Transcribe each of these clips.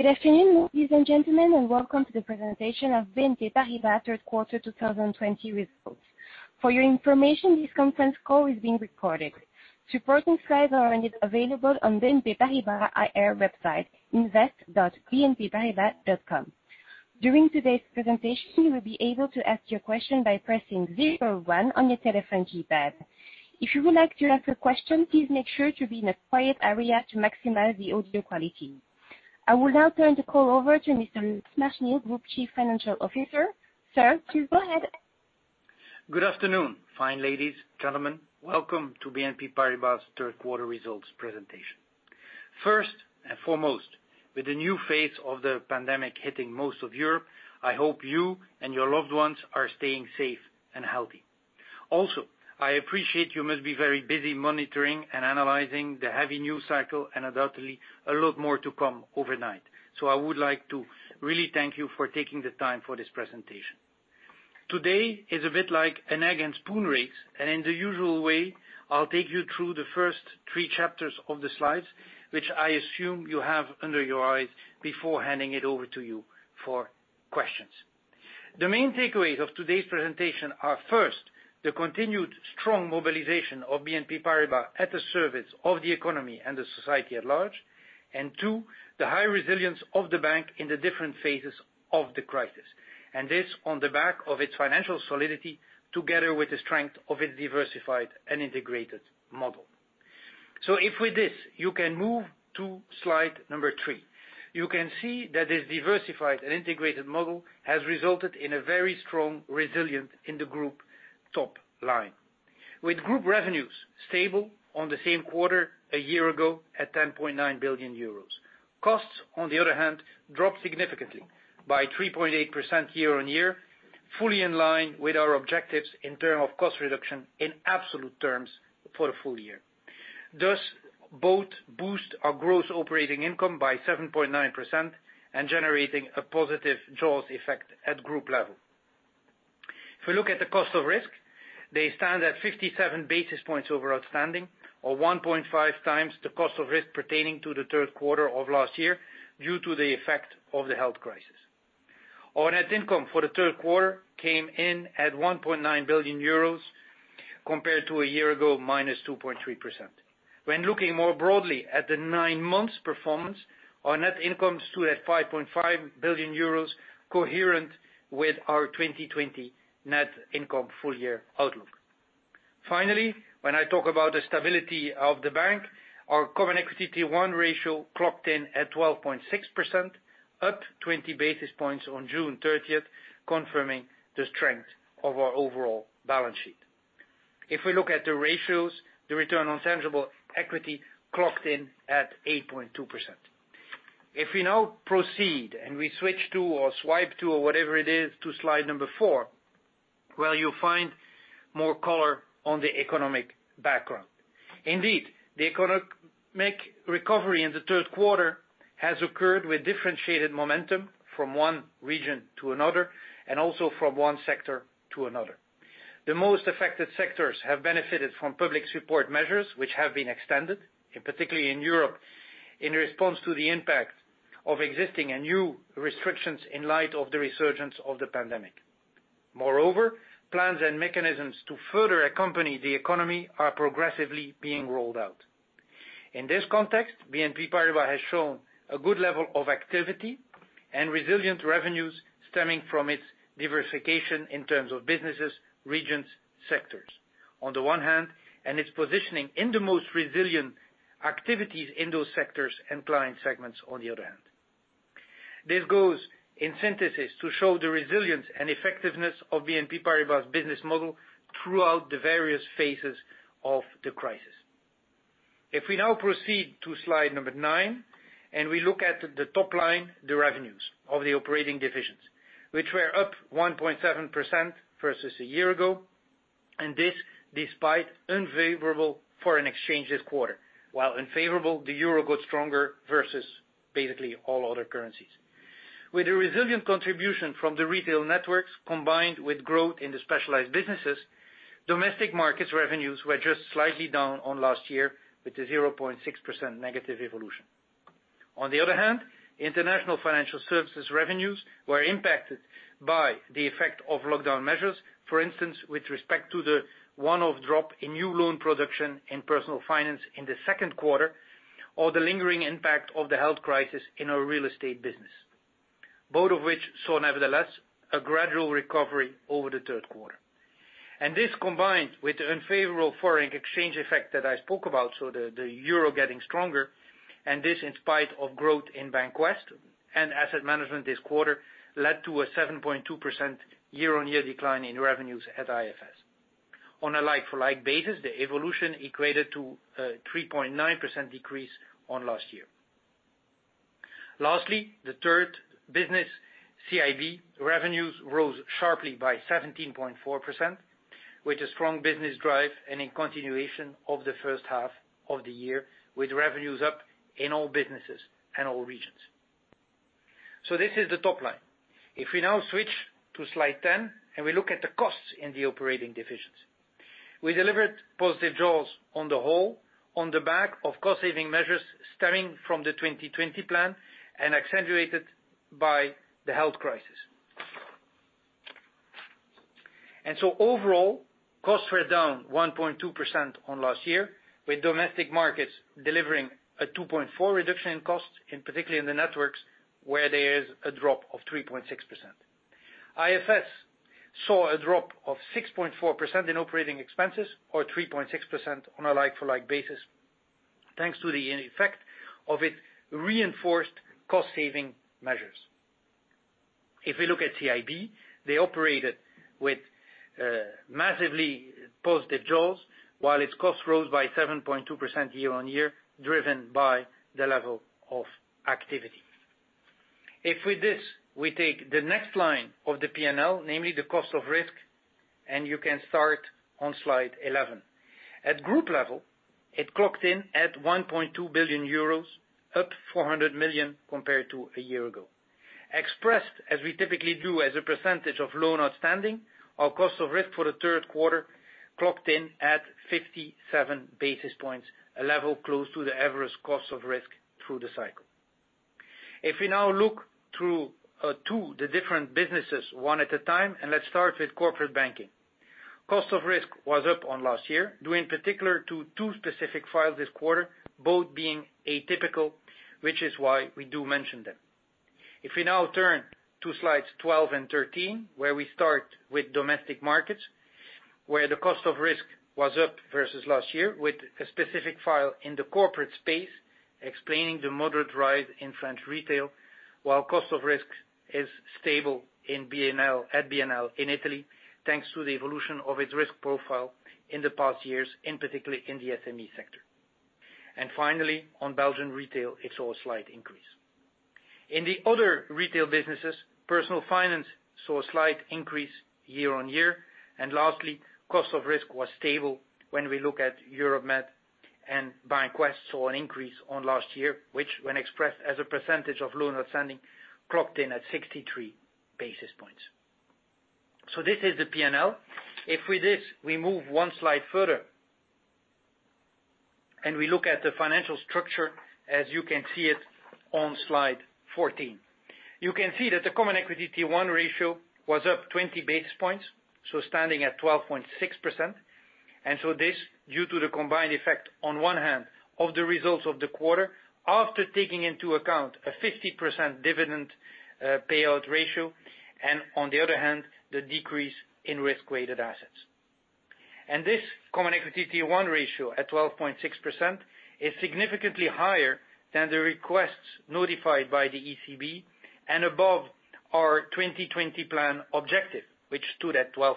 Good afternoon, ladies and gentlemen, and welcome to the presentation of BNP Paribas third quarter 2020 results. For your information, this conference call is being recorded. Supporting slides are available on the BNP Paribas IR website, invest.bnpparibas.com. During today's presentation, you will be able to ask your question by pressing zero one on your telephone keypad. If you would like to ask a question, please make sure to be in a quiet area to maximize the audio quality. I will now turn the call over to Mr. Machenil, Group Chief Financial Officer. Sir, please go ahead. Good afternoon, fine ladies, gentlemen. Welcome to BNP Paribas third quarter results presentation. First and foremost, with the new phase of the pandemic hitting most of Europe, I hope you and your loved ones are staying safe and healthy. I appreciate you must be very busy monitoring and analyzing the heavy news cycle, and undoubtedly, a lot more to come overnight. I would like to really thank you for taking the time for this presentation. Today is a bit like an egg and spoon race, and in the usual way, I'll take you through the first three chapters of the slides, which I assume you have under your eyes, before handing it over to you for questions. The main takeaways of today's presentation are, first, the continued strong mobilization of BNP Paribas at the service of the economy and the society at large. Two, the high resilience of the bank in the different phases of the crisis. This on the back of its financial solidity together with the strength of its diversified and integrated model. If with this, you can move to slide number three. You can see that this diversified and integrated model has resulted in a very strong resilience in the group top line, with group revenues stable on the same quarter a year ago at 10.9 billion euros. Costs, on the other hand, dropped significantly by 3.8% year-on-year, fully in line with our objectives in terms of cost reduction in absolute terms for the full year. Thus, both boost our gross operating income by 7.9% and generating a positive jaws effect at group level. If you look at the cost of risk, they stand at 57 basis points over outstanding, or 1.5 times the cost of risk pertaining to the third quarter of last year due to the effect of the health crisis. Our net income for the third quarter came in at 1.9 billion euros compared to a year ago, -2.3%. Looking more broadly at the nine months performance, our net income stood at 5.5 billion euros coherent with our 2020 net income full year outlook. Finally, when I talk about the stability of the bank, our Common Equity Tier 1 ratio clocked in at 12.6%, up 20 basis points on June 30th, confirming the strength of our overall balance sheet. If we look at the ratios, the return on tangible equity clocked in at 8.2%. If we now proceed and we switch to or swipe to or whatever it is, to slide number four, where you'll find more color on the economic background. Indeed, the economic recovery in the third quarter has occurred with differentiated momentum from one region to another, and also from one sector to another. The most affected sectors have benefited from public support measures, which have been extended, and particularly in Europe, in response to the impact of existing and new restrictions in light of the resurgence of the pandemic. Moreover, plans and mechanisms to further accompany the economy are progressively being rolled out. In this context, BNP Paribas has shown a good level of activity and resilient revenues stemming from its diversification in terms of businesses, regions, sectors on the one hand, and its positioning in the most resilient activities in those sectors and client segments on the other hand. This goes in synthesis to show the resilience and effectiveness of BNP Paribas' business model throughout the various phases of the crisis. If we now proceed to slide number nine, and we look at the top line, the revenues of the operating divisions, which were up 1.7% versus a year ago, and this despite unfavorable foreign exchange this quarter. While unfavorable, the euro got stronger versus basically all other currencies. With a resilient contribution from the retail networks combined with growth in the specialized businesses, Domestic Markets revenues were just slightly down on last year with the 0.6% negative evolution. On the other hand, International Financial Services revenues were impacted by the effect of lockdown measures. For instance, with respect to the one-off drop in new loan production in personal finance in the second quarter, or the lingering impact of the health crisis in our real estate business, both of which saw nevertheless, a gradual recovery over the third quarter. This combined with the unfavorable foreign exchange effect that I spoke about, so the euro getting stronger, and this in spite of growth in Bank of the West and asset management this quarter led to a 7.2% year-on-year decline in revenues at IFS. On a like-for-like basis, the evolution equated to a 3.9% decrease on last year. Lastly, the third business, CIB revenues rose sharply by 17.4%, which is strong business drive and in continuation of the first half of the year with revenues up in all businesses and all regions. If we now switch to slide 10 and we look at the costs in the operating divisions. We delivered positive jaws on the whole, on the back of cost saving measures stemming from the 2020 plan and accentuated by the health crisis. Overall, costs were down 1.2% on last year, with Domestic Markets delivering a 2.4% reduction in costs, and particularly in the networks, where there is a drop of 3.6%. IFS saw a drop of 6.4% in operating expenses, or 3.6% on a like-for-like basis, thanks to the effect of its reinforced cost-saving measures. If we look at CIB, they operated with massively positive jaws, while its cost rose by 7.2% year-on-year, driven by the level of activity. If with this, we take the next line of the P&L, namely the cost of risk, and you can start on slide 11. At group level, it clocked in at 1.2 billion euros, up 400 million compared to a year ago. Expressed, as we typically do, as a percentage of loan outstanding, our cost of risk for the third quarter clocked in at 57 basis points, a level close to the average cost of risk through the cycle. If we now look through two the different businesses, one at a time, let's start with corporate banking. Cost of risk was up on last year, due in particular to two specific files this quarter, both being atypical, which is why we do mention them. If we now turn to slides 12 and 13, where we start with Domestic Markets, where the cost of risk was up versus last year with a specific file in the corporate space, explaining the moderate rise in French retail, while cost of risk is stable at BNL in Italy, thanks to the evolution of its risk profile in the past years, and particularly in the SME sector. Finally, on Belgian retail, it saw a slight increase. In the other retail businesses, personal finance saw a slight increase year-on-year. Lastly, cost of risk was stable when we look at Europe-Mediterranean, and Bank of the West saw an increase on last year, which when expressed as a percentage of loan outstanding, clocked in at 63 basis points. This is the P&L. With this, we move one slide further and we look at the financial structure as you can see it on Slide 14. You can see that the Common Equity Tier 1 ratio was up 20 basis points, standing at 12.6%. This, due to the combined effect, on one hand, of the results of the quarter after taking into account a 50% dividend payout ratio, and on the other hand, the decrease in risk-weighted assets. This Common Equity Tier 1 ratio at 12.6% is significantly higher than the requests notified by the ECB and above our 2020 plan objective, which stood at 12%.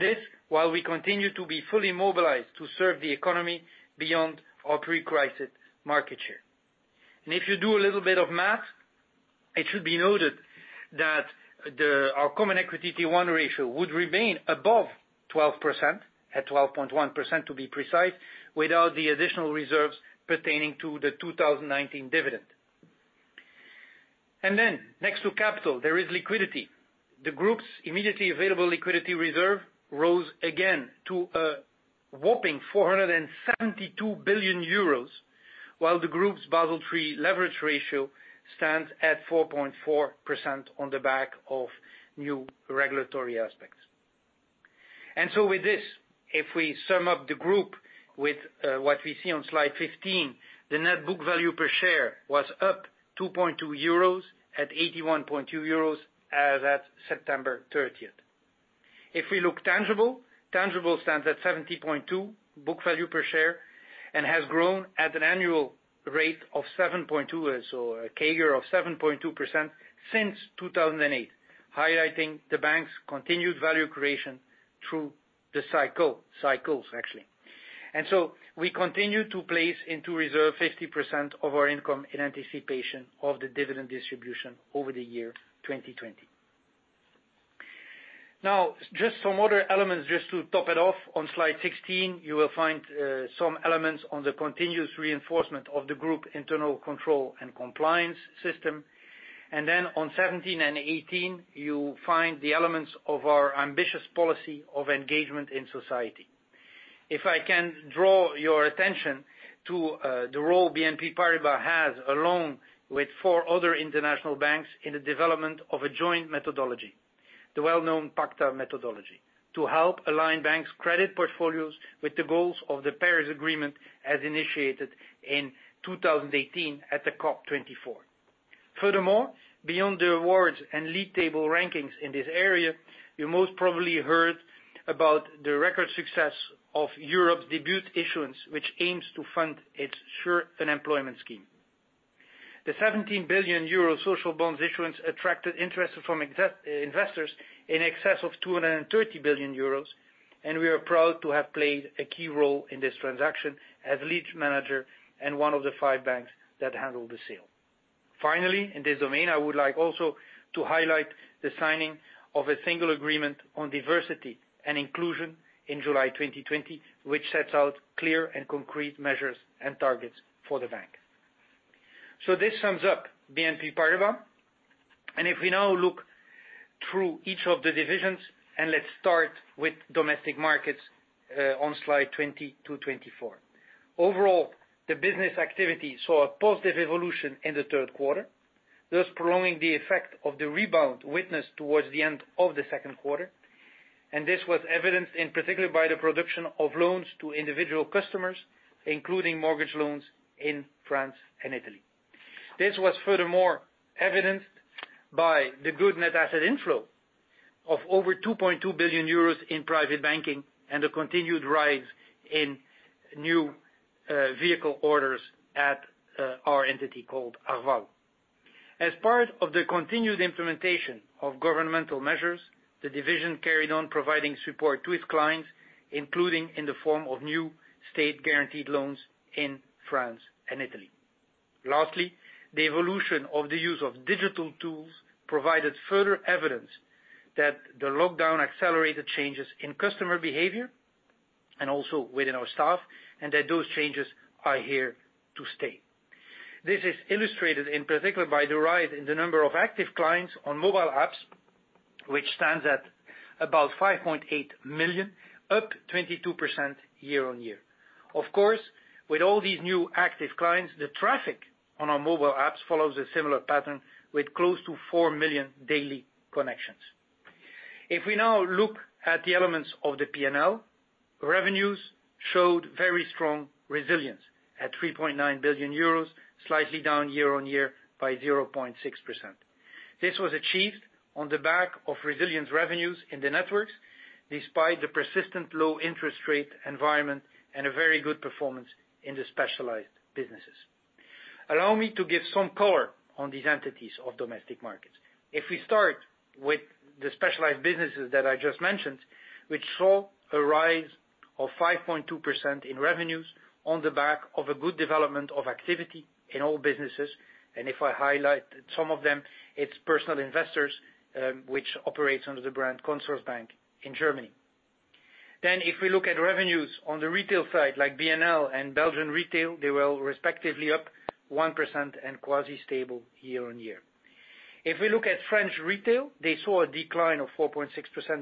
This, while we continue to be fully mobilized to serve the economy beyond our pre-crisis market share. If you do a little bit of math, it should be noted that our Common Equity Tier 1 ratio would remain above 12%, at 12.1% to be precise, without the additional reserves pertaining to the 2019 dividend. Next to capital, there is liquidity. The group's immediately available liquidity reserve rose again to a whopping 472 billion euros, while the group's Basel III leverage ratio stands at 4.4% on the back of new regulatory aspects. With this, if we sum up the group with what we see on slide 15, the net book value per share was up 2.20 euros at 81.20 euros as at September 30th. If we look tangible stands at 70.2 book value per share and has grown at an annual rate of 7.2%, so a CAGR of 7.2% since 2008, highlighting the bank's continued value creation through the cycles. We continue to place into reserve 50% of our income in anticipation of the dividend distribution over the year 2020. Just some other elements just to top it off. On slide 16, you will find some elements on the continuous reinforcement of the group internal control and compliance system. On 17 and 18, you find the elements of our ambitious policy of engagement in society. If I can draw your attention to the role BNP Paribas has, along with four other international banks, in the development of a joint methodology, the well-known PACTA methodology, to help align banks' credit portfolios with the goals of the Paris Agreement as initiated in 2018 at the COP24. Furthermore, beyond the awards and lead table rankings in this area, you most probably heard about the record success of Europe's debut issuance, which aims to fund its SURE employment scheme. The 17 billion euro social bonds issuance attracted interest from investors in excess of 230 billion euros. We are proud to have played a key role in this transaction as lead manager and one of the five banks that handled the sale. Finally, in this domain, I would like also to highlight the signing of a single agreement on diversity and inclusion in July 2020, which sets out clear and concrete measures and targets for the bank. This sums up BNP Paribas. If we now look through each of the divisions, let's start with Domestic Markets on slide 20 to 24. Overall, the business activity saw a positive evolution in the third quarter, thus prolonging the effect of the rebound witnessed towards the end of the second quarter. This was evidenced in particular by the production of loans to individual customers, including mortgage loans in France and Italy. This was furthermore evidenced by the good net asset inflow of over 2.2 billion euros in private banking, and the continued rise in new vehicle orders at our entity called Arval. As part of the continued implementation of governmental measures, the division carried on providing support to its clients, including in the form of new state-guaranteed loans in France and Italy. The evolution of the use of digital tools provided further evidence that the lockdown accelerated changes in customer behavior and also within our staff, and that those changes are here to stay. This is illustrated in particular by the rise in the number of active clients on mobile apps, which stands at about 5.8 million, up 22% year-on-year. Of course, with all these new active clients, the traffic on our mobile apps follows a similar pattern with close to 4 million daily connections. If we now look at the elements of the P&L, revenues showed very strong resilience at 3.9 billion euros, slightly down year-on-year by 0.6%. This was achieved on the back of resilient revenues in the networks, despite the persistent low interest rate environment and a very good performance in the specialized businesses. Allow me to give some color on these entities of Domestic Markets. If we start with the specialized businesses that I just mentioned, which saw a rise of 5.2% in revenues on the back of a good development of activity in all businesses, and if I highlight some of them, it's personal investors, which operates under the brand Consorsbank in Germany. If we look at revenues on the retail side, like BNL and Belgian retail, they were respectively up 1% and quasi-stable year-on-year. If we look at French retail, they saw a decline of 4.6%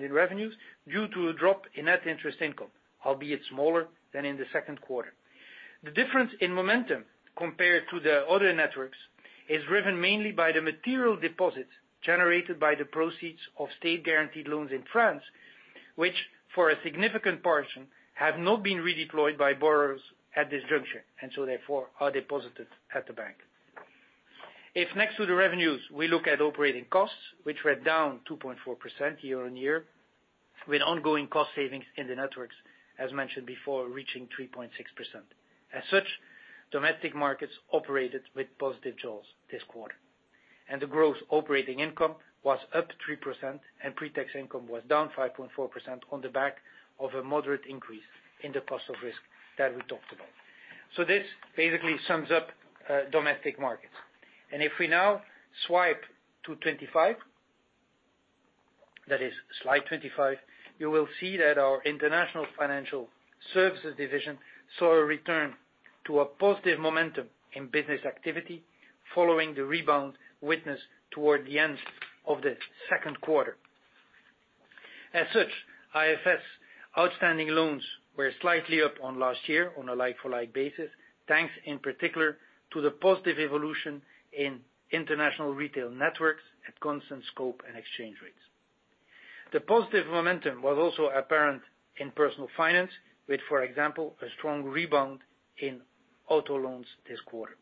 in revenues due to a drop in net interest income, albeit smaller than in the second quarter. The difference in momentum compared to the other networks is driven mainly by the material deposits generated by the proceeds of state-guaranteed loans in France, which for a significant portion, have not been redeployed by borrowers at this juncture, and so therefore are deposited at the bank. If next to the revenues, we look at operating costs, which were down 2.4% year-on-year with ongoing cost savings in the networks, as mentioned before, reaching 3.6%. As such, Domestic Markets operated with positive jaws this quarter. The gross operating income was up 3% and pre-tax income was down 5.4% on the back of a moderate increase in the cost of risk that we talked about. This basically sums up Domestic Markets. If we now swipe to 25, that is slide 25, you will see that our International Financial Services division saw a return to a positive momentum in business activity following the rebound witnessed toward the end of the second quarter. As such, IFS outstanding loans were slightly up on last year on a like-for-like basis, thanks in particular to the positive evolution in international retail networks at constant scope and exchange rates. The positive momentum was also apparent in personal finance with, for example, a strong rebound in auto loans this quarter.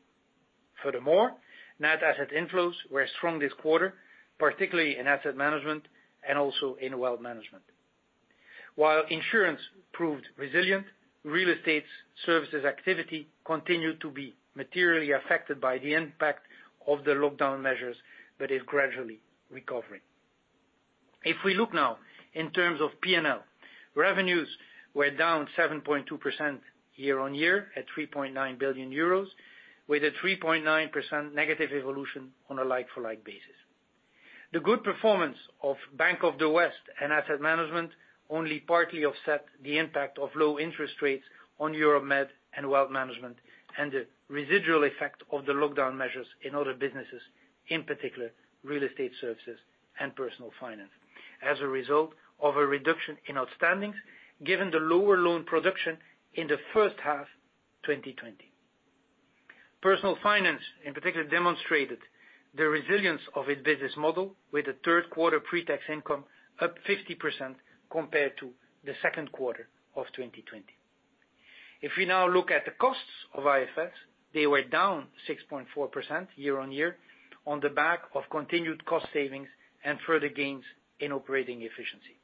Furthermore, net asset inflows were strong this quarter, particularly in asset management and also in wealth management. While insurance proved resilient, real estate services activity continued to be materially affected by the impact of the lockdown measures but is gradually recovering. If we look now in terms of P&L, revenues were down 7.2% year-on-year at EUR 3.9 billion with a 3.9% negative evolution on a like-for-like basis. The good performance of Bank of the West and asset management only partly offset the impact of low interest rates on Europe-Med, and wealth management, and the residual effect of the lockdown measures in other businesses, in particular, real estate services and personal finance, as a result of a reduction in outstandings, given the lower loan production in the first half 2020. Personal finance, in particular, demonstrated the resilience of its business model with a third quarter pre-tax income up 50% compared to the second quarter of 2020. If we now look at the costs of IFS, they were down 6.4% year-on-year on the back of continued cost savings and further gains in operating efficiency.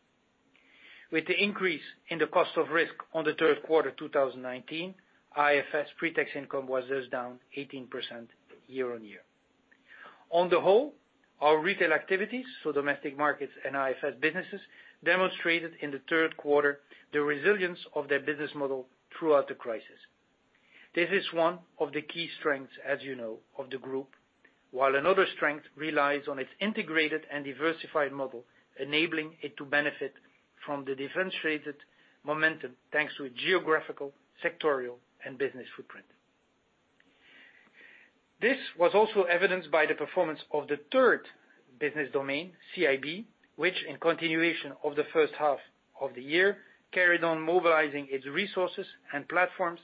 With the increase in the cost of risk on the third quarter 2019, IFS pre-tax income was thus down 18% year-on-year. On the whole, our retail activities, so Domestic Markets and IFS businesses, demonstrated in the third quarter the resilience of their business model throughout the crisis. This is one of the key strengths, as you know, of the group. While another strength relies on its integrated and diversified model, enabling it to benefit from the differentiated momentum thanks to its geographical, sectorial, and business footprint. This was also evidenced by the performance of the third business domain, CIB, which in continuation of the first half of the year, carried on mobilizing its resources and platforms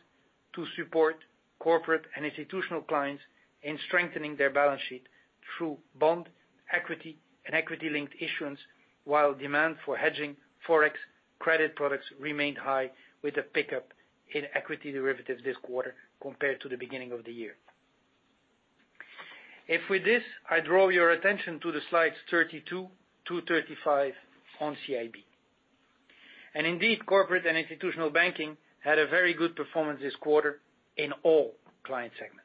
to support corporate and institutional clients in strengthening their balance sheet through bond, equity, and equity-linked issuance, while demand for hedging Forex credit products remained high with a pickup in equity derivatives this quarter compared to the beginning of the year. With this, I draw your attention to the slides 32 to 35 on CIB. Indeed, Corporate and Institutional Banking had a very good performance this quarter in all client segments.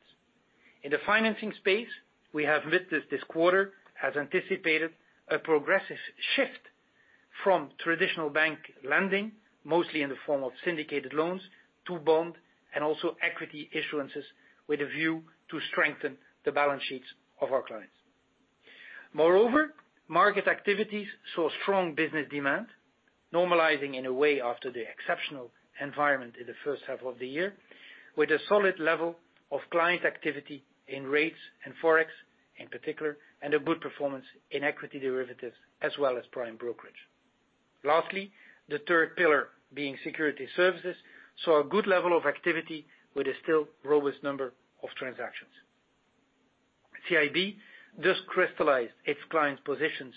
In the financing space, we have witnessed this quarter, as anticipated, a progressive shift from traditional bank lending, mostly in the form of syndicated loans, to bond, and also equity issuances with a view to strengthen the balance sheets of our clients. Moreover, market activities saw strong business demand normalizing in a way after the exceptional environment in the first half of the year, with a solid level of client activity in rates and Forex in particular, and a good performance in equity derivatives as well as prime brokerage. Lastly, the third pillar being security services, saw a good level of activity with a still robust number of transactions. CIB just crystallized its clients' positions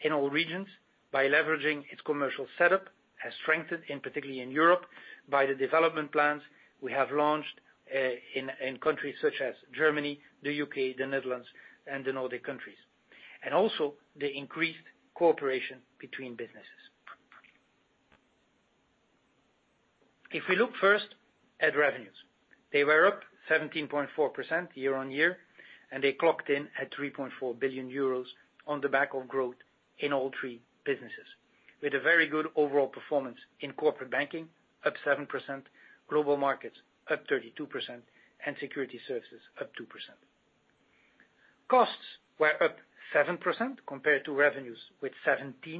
in all regions by leveraging its commercial setup, has strengthened, and particularly in Europe, by the development plans we have launched in countries such as Germany, the U.K., the Netherlands, and the Nordic countries, and also the increased cooperation between businesses. If we look first at revenues, they were up 17.4% year-on-year, and they clocked in at 3.4 billion euros on the back of growth in all three businesses, with a very good overall performance in Corporate Banking up 7%, Global Markets up 32%, and Security Services up 2%. Costs were up 7% compared to revenues with 17%.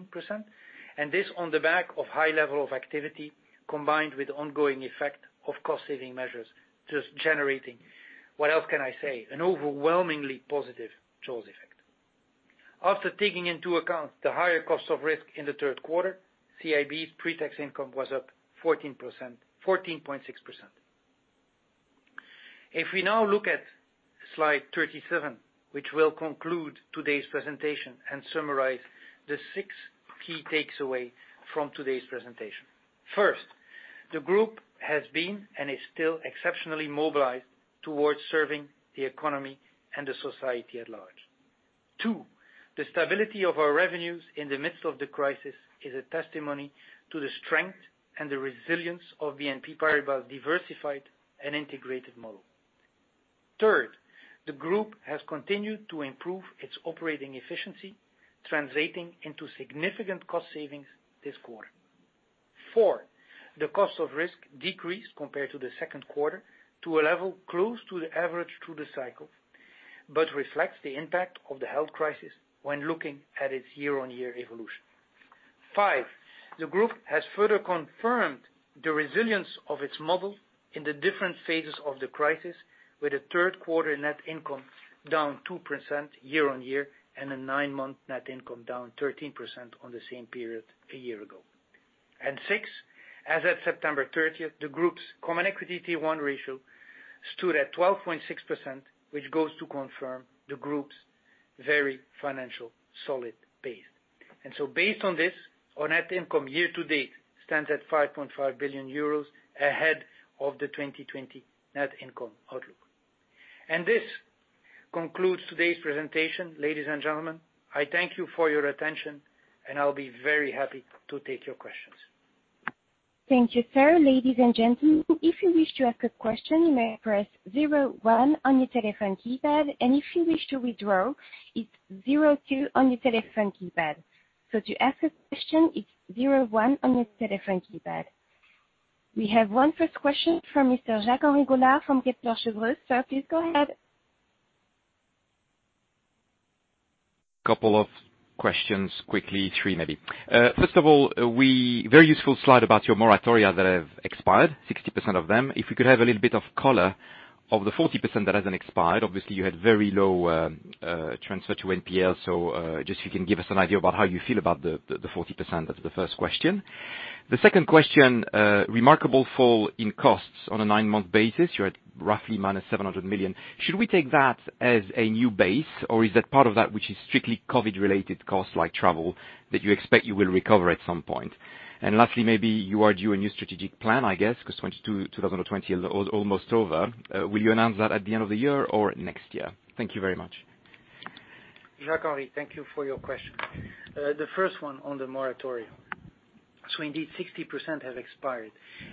This on the back of high level of activity combined with ongoing effect of cost-saving measures just generating, what else can I say, an overwhelmingly positive jaws effect. After taking into account the higher cost of risk in the third quarter, CIB's pre-tax income was up 14.6%. If we now look at slide 37, which will conclude today's presentation and summarize the six key takeaways from today's presentation. First, the group has been and is still exceptionally mobilized towards serving the economy and the society at large. Two, the stability of our revenues in the midst of the crisis is a testimony to the strength and the resilience of BNP Paribas' diversified and integrated model. Third, the group has continued to improve its operating efficiency, translating into significant cost savings this quarter. Four, the cost of risk decreased compared to the second quarter to a level close to the average through the cycle, but reflects the impact of the health crisis when looking at its year-on-year evolution. Five, the group has further confirmed the resilience of its model in the different phases of the crisis, with a third-quarter net income down 2% year-on-year and a nine-month net income down 13% on the same period a year ago. Six, as at September 30th, the group's Common Equity Tier 1 ratio stood at 12.6%, which goes to confirm the group's very financial solid base. Based on this, our net income year to date stands at 5.5 billion euros ahead of the 2020 net income outlook. This concludes today's presentation, ladies and gentlemen. I thank you for your attention, and I'll be very happy to take your questions. Thank you, sir. Ladies and gentlemen, if you wish to ask a question, you may press zero one on your telephone keypad, and if you wish to withdraw, it's zero two on your telephone keypad. To ask a question, it's zero one on your telephone keypad. We have one first question from Mr. Jacques-Henri Gaulard from Kepler Cheuvreux. Sir, please go ahead. Couple of questions quickly, three maybe. First of all, very useful slide about your moratoria that have expired, 60% of them. If you could have a little bit of color of the 40% that hasn't expired. Obviously, you had very low transfer to NPL. Just if you can give us an idea about how you feel about the 40%. That's the first question. The second question, remarkable fall in costs. On a nine-month basis, you're at roughly minus 700 million. Should we take that as a new base, or is that part of that which is strictly COVID-related costs like travel that you expect you will recover at some point? Lastly, maybe you are due a new strategic plan, I guess, because 2020 is almost over. Will you announce that at the end of the year or next year? Thank you very much. Jacques-Henri, thank you for your question. The first one on the moratoria. Indeed, 60% have expired,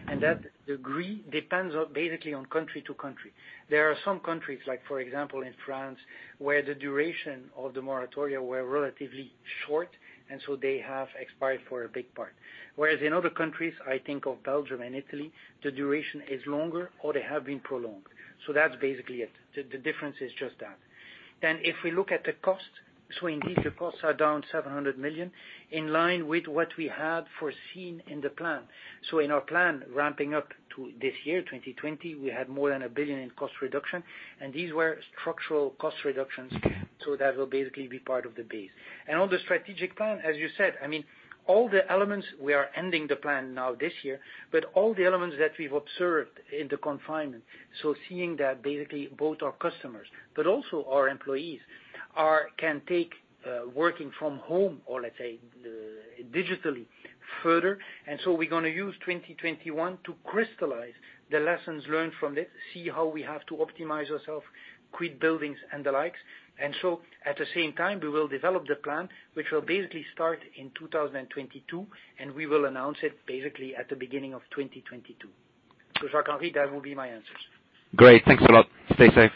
and that degree depends basically on country to country. There are some countries like, for example, in France, where the duration of the moratoria were relatively short, they have expired for a big part. Whereas in other countries, I think of Belgium and Italy, the duration is longer or they have been prolonged. That's basically it. The difference is just that. If we look at the cost, indeed the costs are down 700 million, in line with what we had foreseen in the plan. In our plan, ramping up to this year, 2020, we had more than 1 billion in cost reduction, these were structural cost reductions. That will basically be part of the base. On the strategic plan, as you said, all the elements, we are ending the plan now this year, but all the elements that we've observed in the confinement. Seeing that basically both our customers but also our employees can take working from home, or, let's say, digitally further. We're going to use 2021 to crystallize the lessons learned from this, see how we have to optimize ourselves, quit buildings and the likes. At the same time, we will develop the plan, which will basically start in 2022, and we will announce it basically at the beginning of 2022. Jacques-Henri, that will be my answers. Great. Thanks a lot. Stay safe.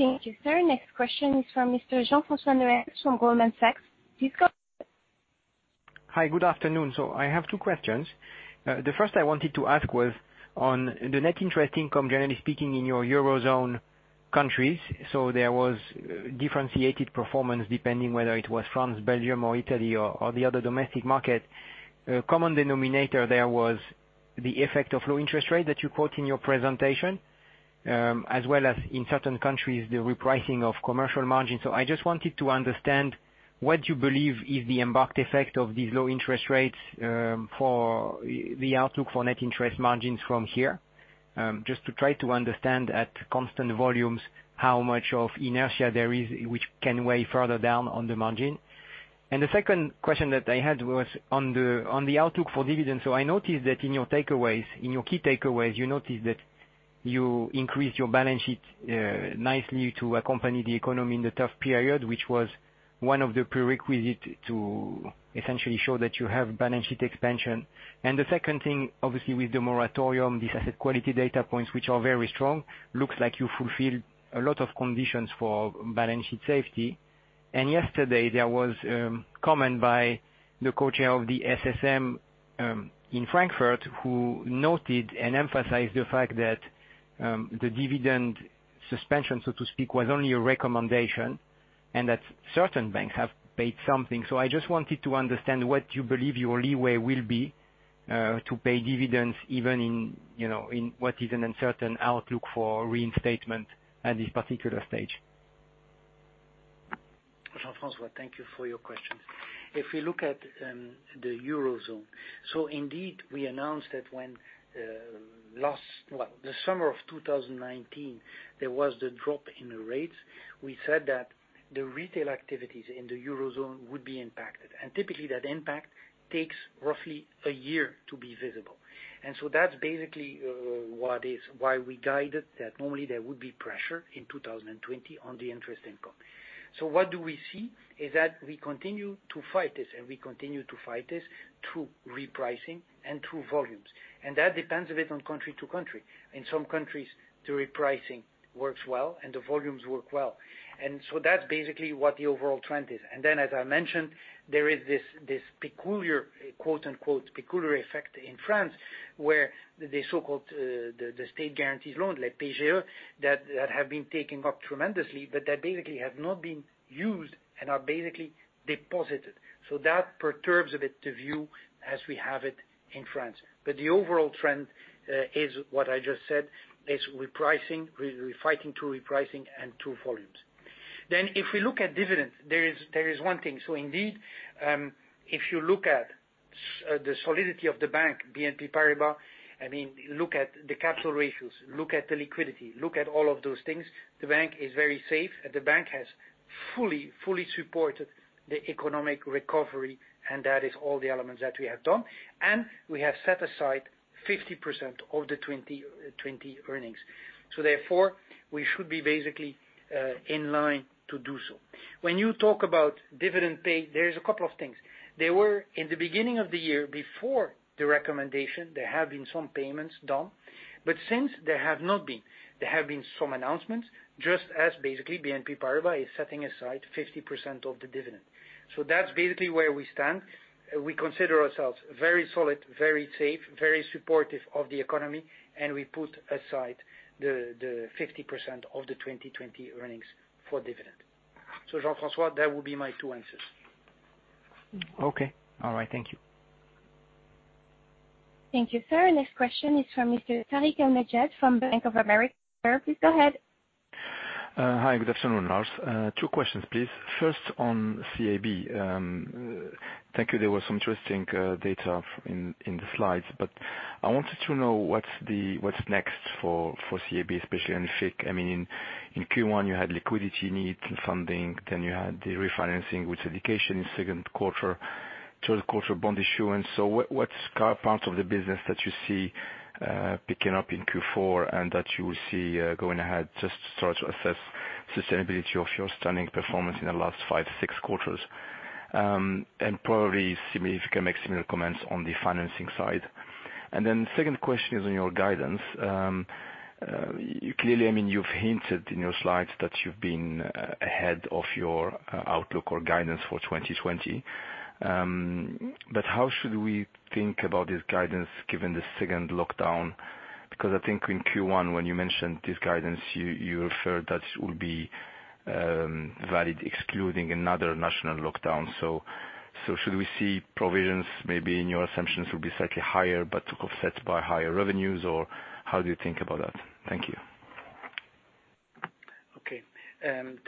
Thank you, sir. Next question is from Mr. Jean-Francois Neuez from Goldman Sachs. Hi. Good afternoon. I have two questions. The first I wanted to ask was on the net interest income, generally speaking, in your Eurozone countries. There was differentiated performance depending whether it was France, Belgium, or Italy, or the other domestic market. Common denominator there was the effect of low interest rate that you quote in your presentation, as well as in certain countries, the repricing of commercial margins. I just wanted to understand what you believe is the embarked effect of these low interest rates for the outlook for net interest margins from here. Just to try to understand at constant volumes how much of inertia there is, which can weigh further down on the margin. The second question that I had was on the outlook for dividends. I noticed that in your takeaways, in your key takeaways, you noticed that you increased your balance sheet nicely to accompany the economy in the tough period, which was one of the prerequisite to essentially show that you have balance sheet expansion. The second thing, obviously with the moratorium, these asset quality data points, which are very strong, looks like you fulfill a lot of conditions for balance sheet safety. Yesterday there was comment by the co-chair of the SSM in Frankfurt, who noted and emphasized the fact that the dividend suspension, so to speak, was only a recommendation, and that certain banks have paid something. I just wanted to understand what you believe your leeway will be, to pay dividends even in what is an uncertain outlook for reinstatement at this particular stage. Jean-Francois, thank you for your questions. If we look at the Eurozone, indeed we announced that when last Well, the summer of 2019, there was the drop in the rates. We said that the retail activities in the Eurozone would be impacted, and typically that impact takes roughly a year to be visible. That's basically why we guided that normally there would be pressure in 2020 on the interest income. What do we see is that we continue to fight this, and we continue to fight this through repricing and through volumes. That depends a bit on country to country. In some countries, the repricing works well, and the volumes work well. That's basically what the overall trend is. As I mentioned, there is this peculiar, quote-unquote, "peculiar effect" in France, where the so-called, the state-guaranteed loan, the PGE, that have been taken up tremendously, but that basically have not been used and are basically deposited. That perturbs a bit the view as we have it in France. The overall trend is what I just said, is repricing. We're fighting through repricing and through volumes. If we look at dividends, there is one thing. Indeed, if you look at the solidity of the bank, BNP Paribas, look at the capital ratios, look at the liquidity, look at all of those things, the bank is very safe, and the bank has fully supported the economic recovery, and that is all the elements that we have done. We have set aside 50% of the 2020 earnings. Therefore, we should be basically in line to do so. When you talk about dividend pay, there's a couple of things. There were, in the beginning of the year before the recommendation, there have been some payments done, but since, there have not been. There have been some announcements, just as basically BNP Paribas is setting aside 50% of the dividend. That's basically where we stand. We consider ourselves very solid, very safe, very supportive of the economy, and we put aside the 50% of the 2020 earnings for dividend. Jean-Francois, that will be my two answers. Okay. All right. Thank you. Thank you, sir. Next question is from Mr. Tarik El Mejjad from Bank of America. Please go ahead. Hi. Good afternoon, Lars. Two questions, please. First on CIB. Thank you. There was some interesting data in the slides. I wanted to know what's next for CIB, especially in FICC. In Q1, you had liquidity needs and funding. You had the refinancing with dedication in second quarter, third quarter bond issuance. What parts of the business that you see picking up in Q4 and that you will see going ahead, just to try to assess sustainability of your stunning performance in the last five, six quarters? Probably, see if you can make similar comments on the financing side. Second question is on your guidance. Clearly, you've hinted in your slides that you've been ahead of your outlook or guidance for 2020. How should we think about this guidance, given the second lockdown? I think in Q1, when you mentioned this guidance, you referred that it will be valid excluding another national lockdown. Should we see provisions, maybe in your assumptions will be slightly higher but offsets by higher revenues, or how do you think about that? Thank you.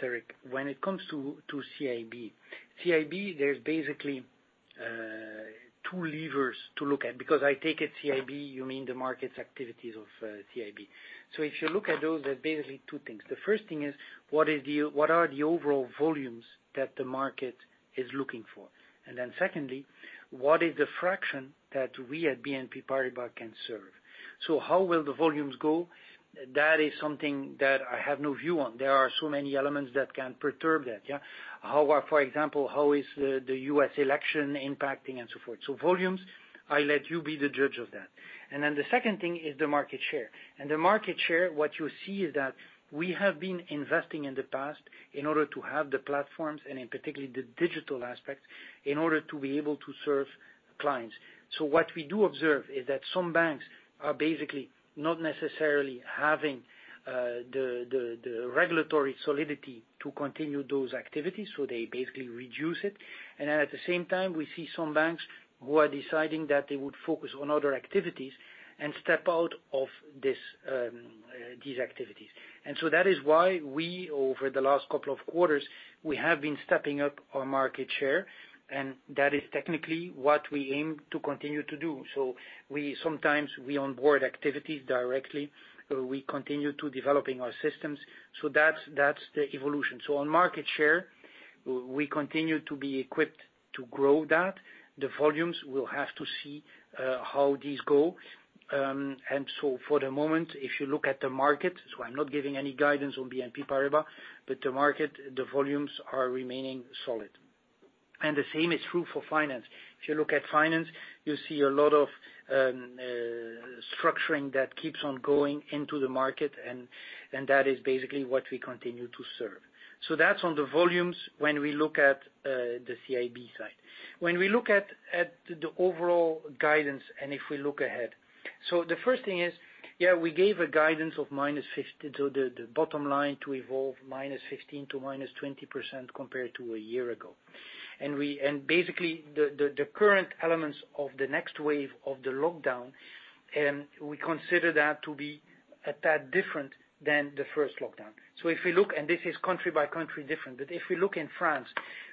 Tarik, when it comes to CIB, there's basically two levers to look at, because I take it CIB, you mean the markets activities of CIB. If you look at those, there's basically two things. The first thing is, what are the overall volumes that the market is looking for? Secondly, what is the fraction that we at BNP Paribas can serve? How will the volumes go? That is something that I have no view on. There are so many elements that can perturb that. For example, how is the U.S. election impacting and so forth. Volumes, I let you be the judge of that. The second thing is the market share. The market share, what you see is that we have been investing in the past in order to have the platforms, and in particular, the digital aspect, in order to be able to serve clients. What we do observe is that some banks are basically not necessarily having the regulatory solidity to continue those activities, so they basically reduce it. At the same time, we see some banks who are deciding that they would focus on other activities and step out of these activities. That is why we, over the last couple of quarters, we have been stepping up our market share, and that is technically what we aim to continue to do. Sometimes we onboard activities directly. We continue to developing our systems. That's the evolution. On market share, we continue to be equipped to grow that. The volumes, we'll have to see how these go. For the moment, if you look at the market, I'm not giving any guidance on BNP Paribas, but the market, the volumes are remaining solid. The same is true for finance. If you look at finance, you see a lot of structuring that keeps on going into the market, and that is basically what we continue to serve. That's on the volumes when we look at the CIB side. When we look at the overall guidance, and if we look ahead. The first thing is, yeah, we gave a guidance of the bottom line to evolve -15% to -20% compared to a year ago. Basically, the current elements of the next wave of the lockdown, we consider that to be a tad different than the first lockdown. This is country by country different, if we look in France,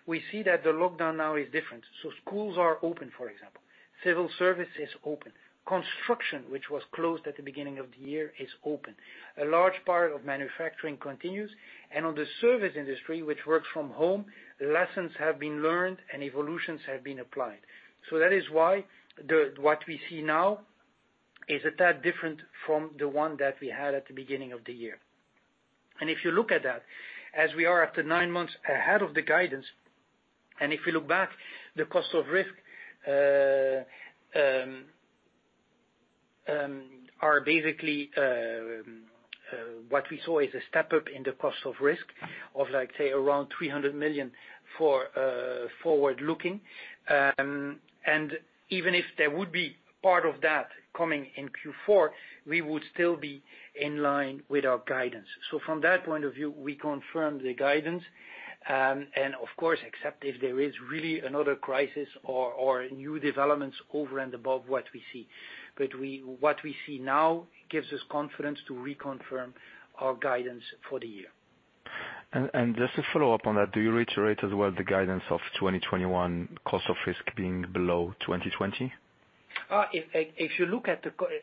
we see that the lockdown now is different. Schools are open, for example. Civil service is open. Construction, which was closed at the beginning of the year, is open. A large part of manufacturing continues, and on the service industry, which works from home, lessons have been learned, and evolutions have been applied. That is why what we see now is a tad different from the one that we had at the beginning of the year. If you look at that, as we are after nine months ahead of the guidance, and if we look back, the cost of risk are basically what we saw is a step up in the cost of risk of, say, around 300 million for forward looking. Even if there would be part of that coming in Q4, we would still be in line with our guidance. From that point of view, we confirm the guidance, and of course, except if there is really another crisis or new developments over and above what we see. What we see now gives us confidence to reconfirm our guidance for the year. Just to follow up on that, do you reiterate as well the guidance of 2021 cost of risk being below 2020?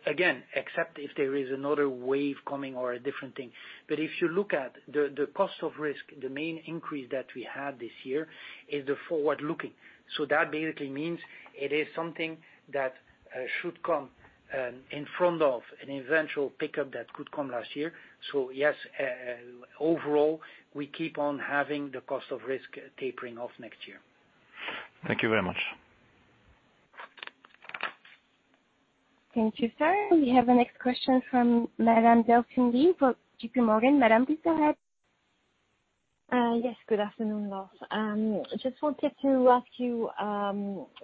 Again, except if there is another wave coming or a different thing. If you look at the cost of risk, the main increase that we had this year is the forward looking. That basically means it is something that should come in front of an eventual pickup that could come last year. Yes, overall, we keep on having the cost of risk tapering off next year. Thank you very much. Thank you, sir. We have the next question from Madame Delphine Lee for JPMorgan. Madame, please go ahead. Yes. Good afternoon, Lars. Just wanted to ask you,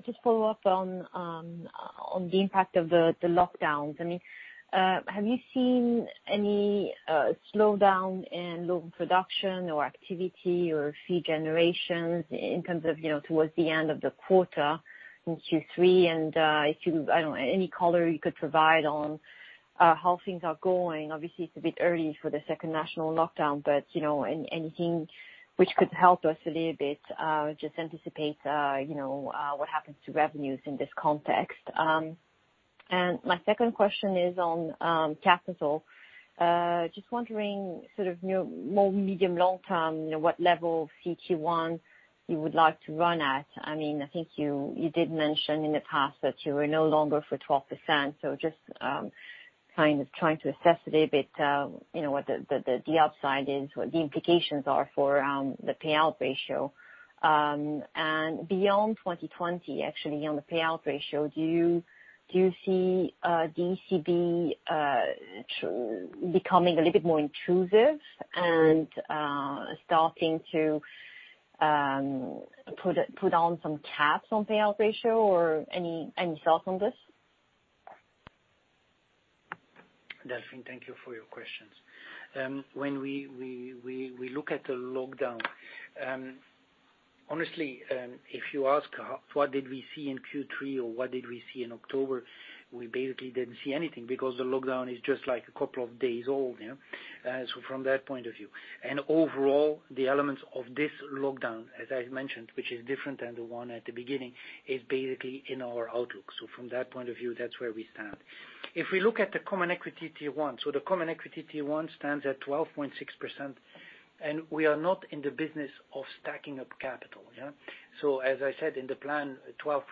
just follow up on the impact of the lockdowns. Have you seen any slowdown in loan production or activity or fee generations in terms of towards the end of the quarter in Q3? If you, I don't know, any color you could provide on how things are going. Obviously, it's a bit early for the second national lockdown, anything which could help us a little bit, just anticipate what happens to revenues in this context. My second question is on capital. Just wondering sort of more medium long-term, what level CET1 you would like to run at. I think you did mention in the past that you were no longer for 12%, just trying to assess a little bit what the upside is, what the implications are for the payout ratio. Beyond 2020, actually, on the payout ratio, do you see ECB becoming a little bit more intrusive and starting to put on some caps on payout ratio or any thoughts on this? Delphine, thank you for your questions. We look at the lockdown, honestly, if you ask what did we see in Q3 or what did we see in October? We basically didn't see anything because the lockdown is just a couple of days old. From that point of view, and overall, the elements of this lockdown, as I mentioned, which is different than the one at the beginning, is basically in our outlook. From that point of view, that's where we stand. If we look at the Common Equity Tier 1, the Common Equity Tier 1 stands at 12.6% we are not in the business of stacking up capital. As I said, in the plan, 12%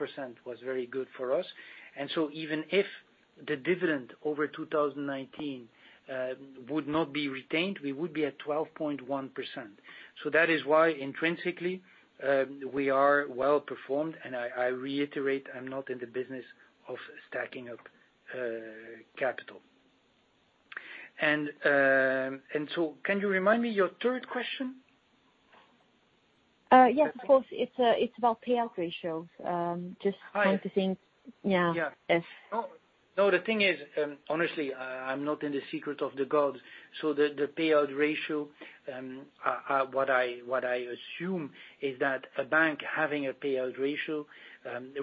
was very good for us, even if the dividend over 2019 would not be retained, we would be at 12.1%. That is why intrinsically, we are well performed. I reiterate, I am not in the business of stacking up capital. Can you remind me your third question? Yes, of course. It's about payout ratios. Just want to think. The thing is, honestly, I'm not in the secret of the gods. The payout ratio, what I assume is that a bank having a payout ratio,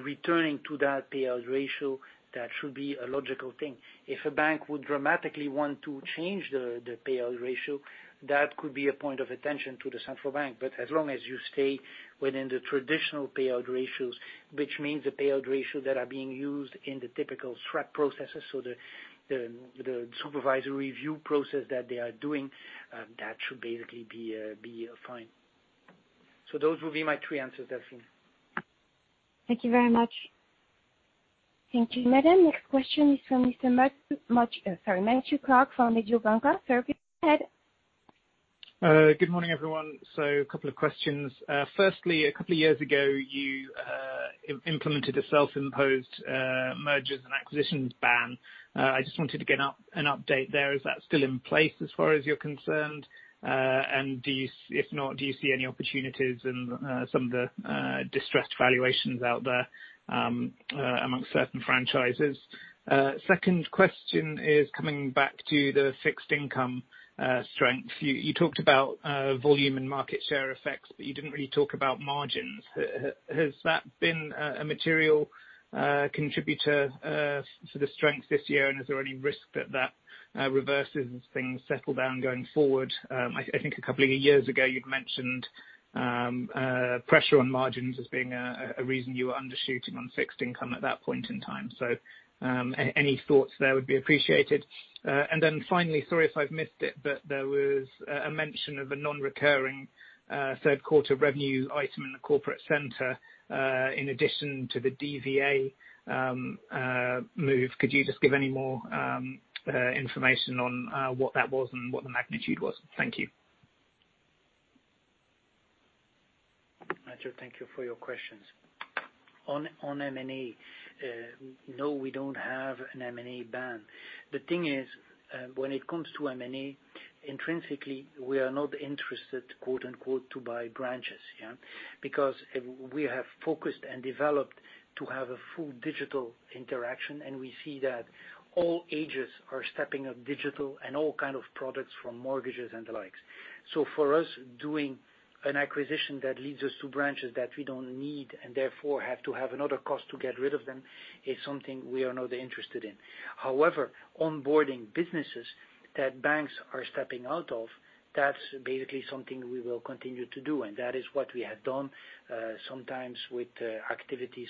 returning to that payout ratio, that should be a logical thing. If a bank would dramatically want to change the payout ratio, that could be a point of attention to the central bank. As long as you stay within the traditional payout ratios, which means the payout ratio that are being used in the typical SREP processes, so the supervisory review process that they are doing, that should basically be fine. Those will be my three answers, Delphine. Thank you very much. Thank you, madam. Next question is from Mr. Matthew Clark from Mediobanca. Sir, go ahead. Good morning, everyone. A couple of questions. Firstly, a couple of years ago, you implemented a self-imposed mergers and acquisitions ban. I just wanted to get an update there. Is that still in place as far as you're concerned? If not, do you see any opportunities in some of the distressed valuations out there amongst certain franchises? Second question is coming back to the fixed income strength. You talked about volume and market share effects, you didn't really talk about margins. Has that been a material contributor to the strength this year, is there any risk that reverses as things settle down going forward? I think a couple of years ago you'd mentioned pressure on margins as being a reason you were undershooting on fixed income at that point in time. Any thoughts there would be appreciated. Finally, sorry if I've missed it, there was a mention of a non-recurring third quarter revenue item in the corporate center, in addition to the DVA move. Could you just give any more information on what that was and what the magnitude was? Thank you. Matthew, thank you for your questions. On M&A, no, we don't have an M&A ban. The thing is, when it comes to M&A, intrinsically, we are not interested, quote unquote, to buy branches. We have focused and developed to have a full digital interaction, and we see that all ages are stepping up digital and all kind of products from mortgages and the likes. For us, doing an acquisition that leads us to branches that we don't need and therefore have to have another cost to get rid of them is something we are not interested in. However, onboarding businesses that banks are stepping out of, that's basically something we will continue to do, and that is what we have done, sometimes with activities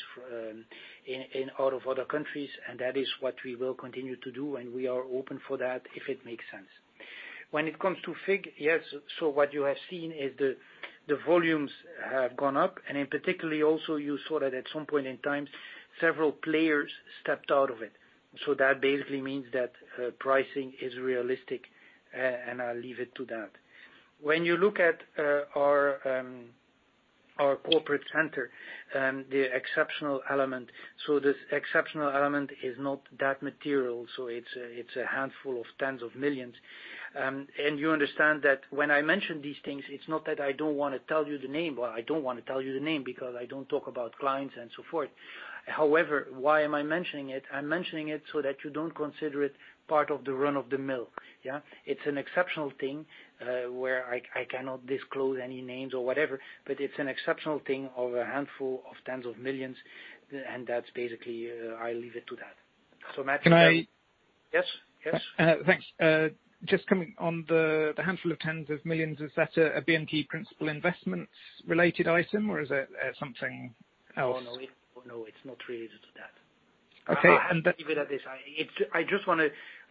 out of other countries, and that is what we will continue to do, and we are open for that if it makes sense. When it comes to FICC, yes, what you have seen is the volumes have gone up and in particular also you saw that at some point in time, several players stepped out of it. That basically means that pricing is realistic, and I'll leave it to that. When you look at our corporate center the exceptional element, this exceptional element is not that material. It's a handful of tens of millions. You understand that when I mention these things, it's not that I don't want to tell you the name, I don't want to tell you the name because I don't talk about clients and so forth. However, why am I mentioning it? I'm mentioning it so that you don't consider it part of the run-of-the-mill. It's an exceptional thing, where I cannot disclose any names or whatever, but it's an exceptional thing of a handful of tens of millions, and that's basically, I leave it to that. Matthew- Can I? Yes. Thanks. Just coming on the handful of tens of millions, is that a BNP principal investments related item, or is that something else? Oh, no. It's not related to that. Okay. I'll leave it at this.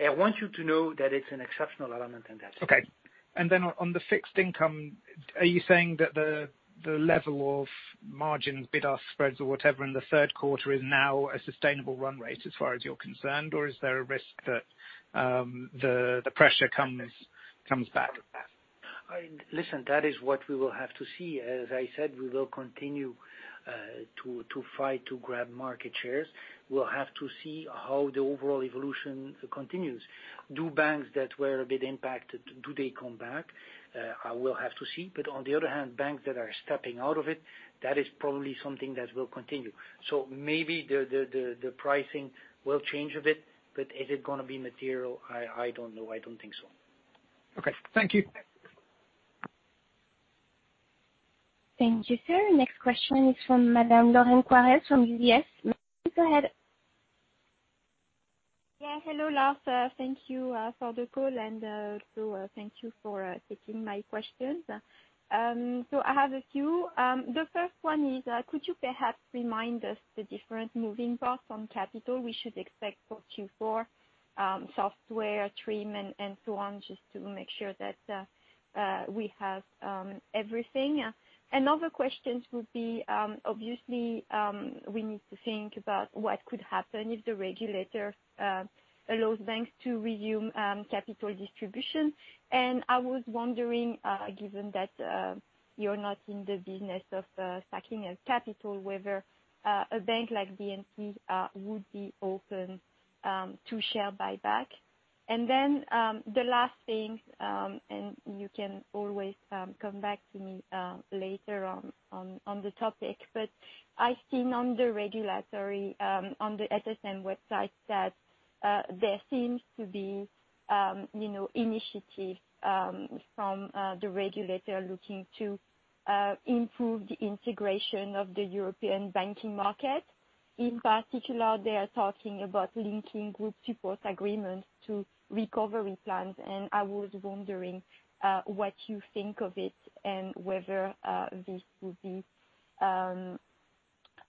I want you to know that it's an exceptional element and that's it. Okay. On the fixed income, are you saying that the level of margin bid or spreads or whatever in the third quarter is now a sustainable run rate as far as you're concerned, or is there a risk that the pressure comes back? Listen, that is what we will have to see. As I said, we will continue to fight to grab market shares. We'll have to see how the overall evolution continues. Do banks that were a bit impacted, do they come back? I will have to see. On the other hand, banks that are stepping out of it, that is probably something that will continue. Maybe the pricing will change a bit. Is it going to be material? I don't know. I don't think so. Okay. Thank you. Thank you, sir. Next question is from Madame Lorraine Quoirez from UBS. Flora, go ahead. Yeah. Hello, Lars. Thank you for the call and also thank you for taking my questions. I have a few. The first one is could you perhaps remind us the different moving parts on capital we should expect for Q4, software, TRIM and so on, just to make sure that we have everything? Another question would be, obviously, we need to think about what could happen if the regulator allows banks to resume capital distribution. I was wondering, given that you're not in the business of stacking up capital, whether a bank like BNP would be open to share buyback. The last thing, and you can always come back to me later on the topic, but I've seen on the regulatory, on the SSM website that there seems to be initiative from the regulator looking to improve the integration of the European banking market. In particular, they are talking about linking group support agreements to recovery plans, and I was wondering what you think of it and whether this would be an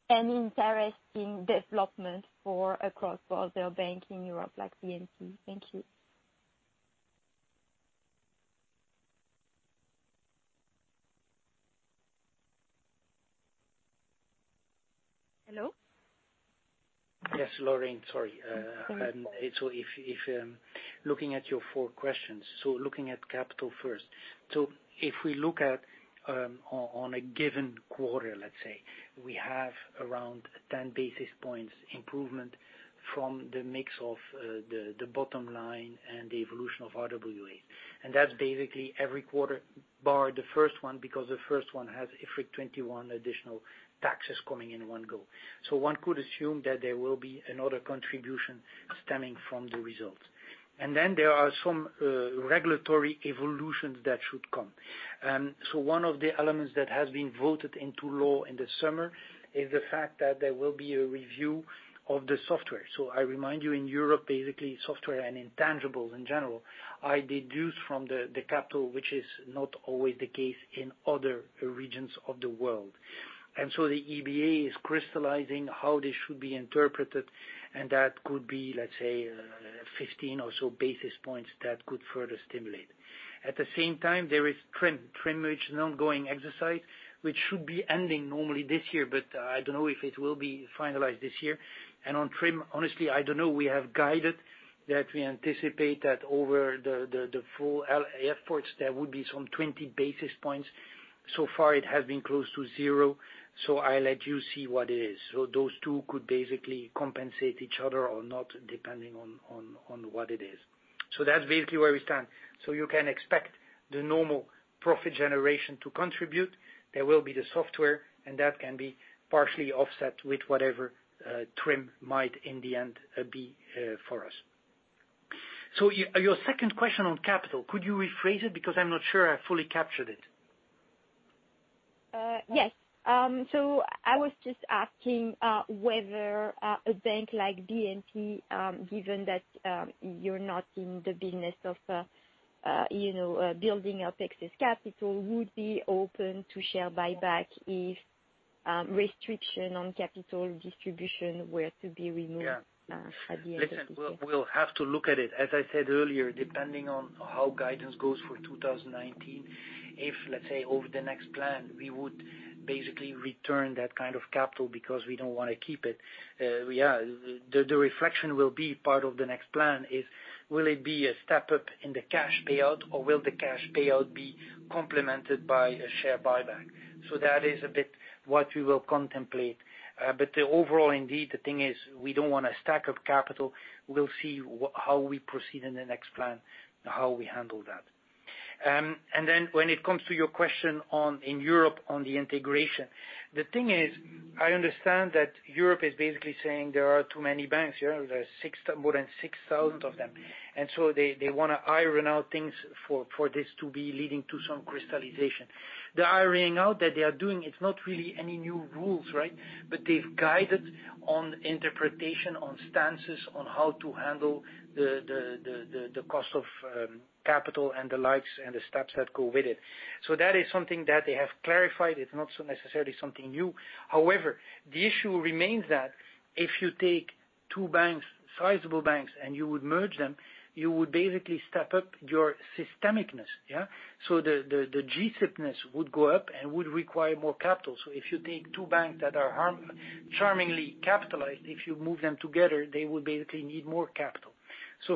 interesting development for a cross-border bank in Europe like BNP. Thank you. Hello? Yes, Lorraine. Sorry. No worries. If looking at your four questions, looking at capital first. If we look at on a given quarter, let's say, we have around 10 basis points improvement from the mix of the bottom line and the evolution of RWA. That's basically every quarter, bar the first one, because the first one has IFRIC 21 additional taxes coming in one go. One could assume that there will be another contribution stemming from the results. There are some regulatory evolutions that should come. One of the elements that has been voted into law in the summer is the fact that there will be a review of the software. I remind you, in Europe, basically, software and intangibles in general are deduced from the capital, which is not always the case in other regions of the world. The EBA is crystallizing how this should be interpreted, and that could be, let's say, 15 or so basis points that could further stimulate. At the same time, there is TRIM, which is an ongoing exercise, which should be ending normally this year, but I don't know if it will be finalized this year. On TRIM, honestly, I don't know. We have guided that we anticipate that over the full efforts, there would be some 20 basis points. So far, it has been close to zero. I let you see what it is. Those two could basically compensate each other or not, depending on what it is. That's basically where we stand. You can expect the normal profit generation to contribute. There will be the software, and that can be partially offset with whatever TRIM might, in the end, be for us. Your second question on capital, could you rephrase it? Because I'm not sure I fully captured it. Yes. I was just asking whether a bank like BNP, given that you're not in the business of building up excess capital, would be open to share buyback if restriction on capital distribution were to be removed at the end of this year? Listen, we'll have to look at it. As I said earlier, depending on how guidance goes for 2019, if, let's say, over the next plan, we would basically return that kind of capital because we don't want to keep it. Yeah, the reflection will be part of the next plan is, will it be a step-up in the cash payout, or will the cash payout be complemented by a share buyback? That is a bit what we will contemplate. Overall, indeed, the thing is, we don't want to stack up capital. We'll see how we proceed in the next plan, how we handle that. When it comes to your question in Europe on the integration, the thing is, I understand that Europe is basically saying there are too many banks. There are more than 6,000 of them. They want to iron out things for this to be leading to some crystallization. The ironing out that they are doing, it's not really any new rules, right? They've guided on interpretation, on stances, on how to handle the cost of capital and the likes, and the steps that go with it. That is something that they have clarified. It's not necessarily something new. However, the issue remains that if you take two banks, sizable banks, and you would merge them, you would basically step up your systemicness. The G-SIBness would go up and would require more capital. If you take two banks that are charmingly capitalized, if you move them together, they would basically need more capital.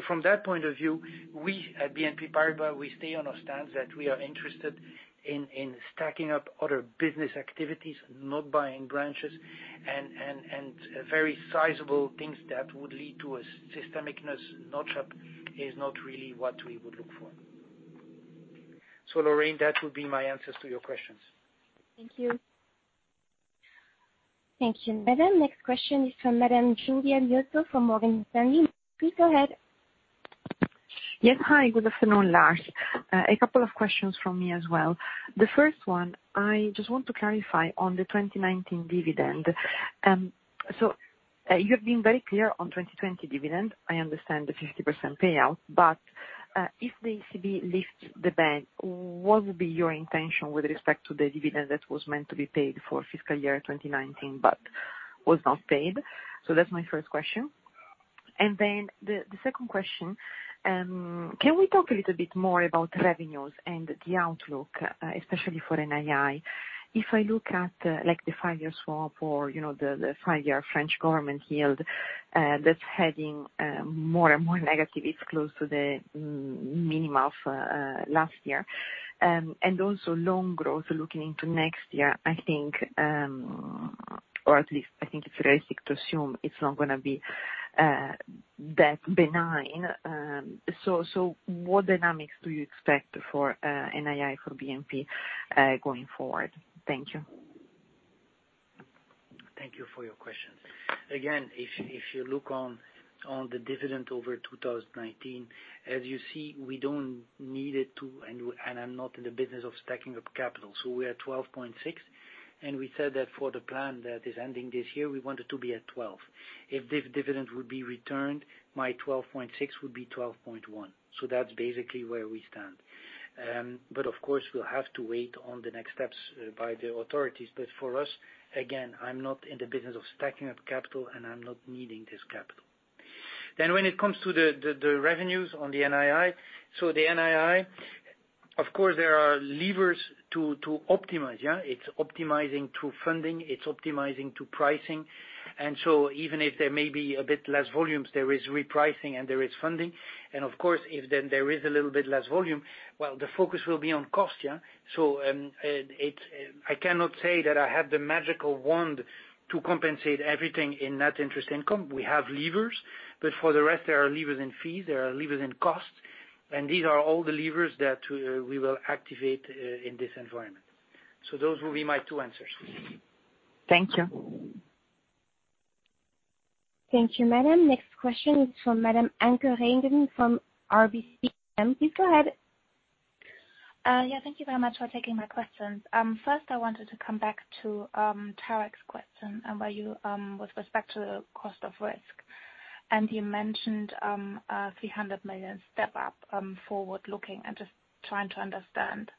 From that point of view, we at BNP Paribas stay on a stance that we are interested in stacking up other business activities, not buying branches, and very sizable things that would lead to a systemicness notch-up is not really what we would look for. Lorraine, that will be my answers to your questions. Thank you. Thank you, Madame. Next question is from Madame [Cindy Alliotte] from Morgan Stanley. Please go ahead. Yes. Hi. Good afternoon, Lars. A couple of questions from me as well. The first one, I just want to clarify on the 2019 dividend. You have been very clear on 2020 dividend. I understand the 50% payout, but, if the ECB lifts the ban, what would be your intention with respect to the dividend that was meant to be paid for fiscal year 2019, but was not paid? That's my first question. The second question, can we talk a little bit more about revenues and the outlook, especially for NII? If I look at the five-year swap or the five-year French government yield, that's heading more and more negative, it's close to the minimum of last year. Also loan growth looking into next year, I think, or at least I think it's realistic to assume it's not going to be that benign. What dynamics do you expect for NII for BNP going forward? Thank you. Thank you for your question. If you look on the dividend over 2019, as you see, we don't need it to, and I'm not in the business of stacking up capital. We are at 12.6, and we said that for the plan that is ending this year, we wanted to be at 12. If this dividend would be returned, my 12.6 would be 12.1. That's basically where we stand. Of course, we'll have to wait on the next steps by the authorities. For us, again, I'm not in the business of stacking up capital, and I'm not needing this capital. When it comes to the revenues on the NII, the NII, of course, there are levers to optimize. It's optimizing through funding, it's optimizing to pricing. Even if there may be a bit less volumes, there is repricing and there is funding. Of course, if there is a little bit less volume, the focus will be on cost. I cannot say that I have the magical wand to compensate everything in net interest income. We have levers, but for the rest, there are levers in fees, there are levers in costs, and these are all the levers that we will activate in this environment. Those will be my two answers. Thank you. Thank you, Madame. Next question is from Madame Anke Reingen from RBC. Please go ahead. Yeah. Thank you very much for taking my questions. First I wanted to come back to Tarik's question with respect to the cost of risk. You mentioned a 300 million step up, forward-looking and just trying to understand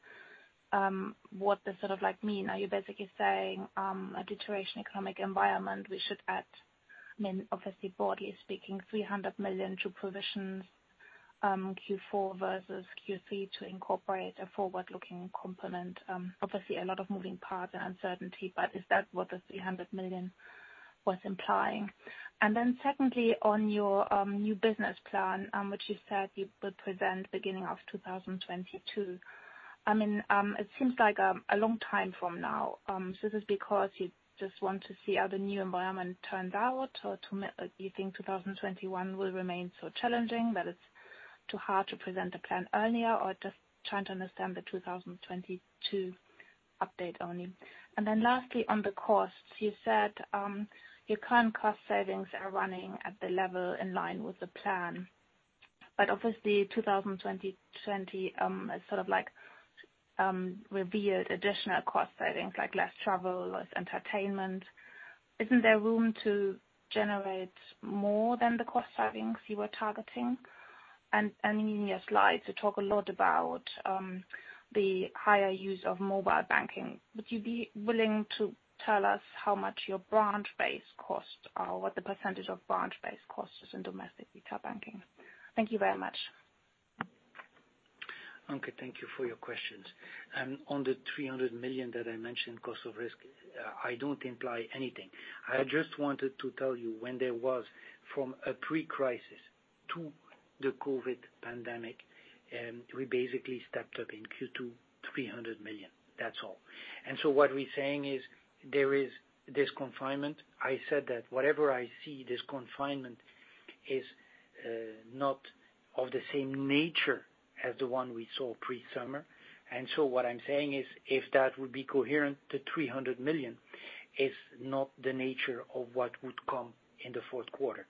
what this sort of mean. Are you basically saying a deterioration economic environment, we should add, obviously broadly speaking, 300 million to provisions, Q4 versus Q3 to incorporate a forward-looking component? Obviously, a lot of moving parts and uncertainty, is that what the 300 million was implying? Secondly, on your new business plan, which you said you would present beginning of 2022. It seems like a long time from now. Is this because you just want to see how the new environment turns out, or do you think 2021 will remain so challenging that it's too hard to present a plan earlier, or just trying to understand the 2022 update only? Lastly, on the costs, you said your current cost savings are running at the level in line with the plan, but obviously 2020 has sort of revealed additional cost savings, like less travel, less entertainment. Isn't there room to generate more than the cost savings you were targeting? In your slides, you talk a lot about the higher use of mobile banking. Would you be willing to tell us how much your branch-based costs are? What the percentage of branch-based costs is in domestic retail banking? Thank you very much. Anke, thank you for your questions. On the 300 million that I mentioned, cost of risk, I don't imply anything. I just wanted to tell you when there was from a pre-crisis to the COVID pandemic, we basically stepped up in Q2, 300 million. That's all. What we're saying is there is this confinement. I said that whatever I see, this confinement is not of the same nature as the one we saw pre-summer. What I'm saying is, if that would be coherent, the 300 million is not the nature of what would come in the fourth quarter.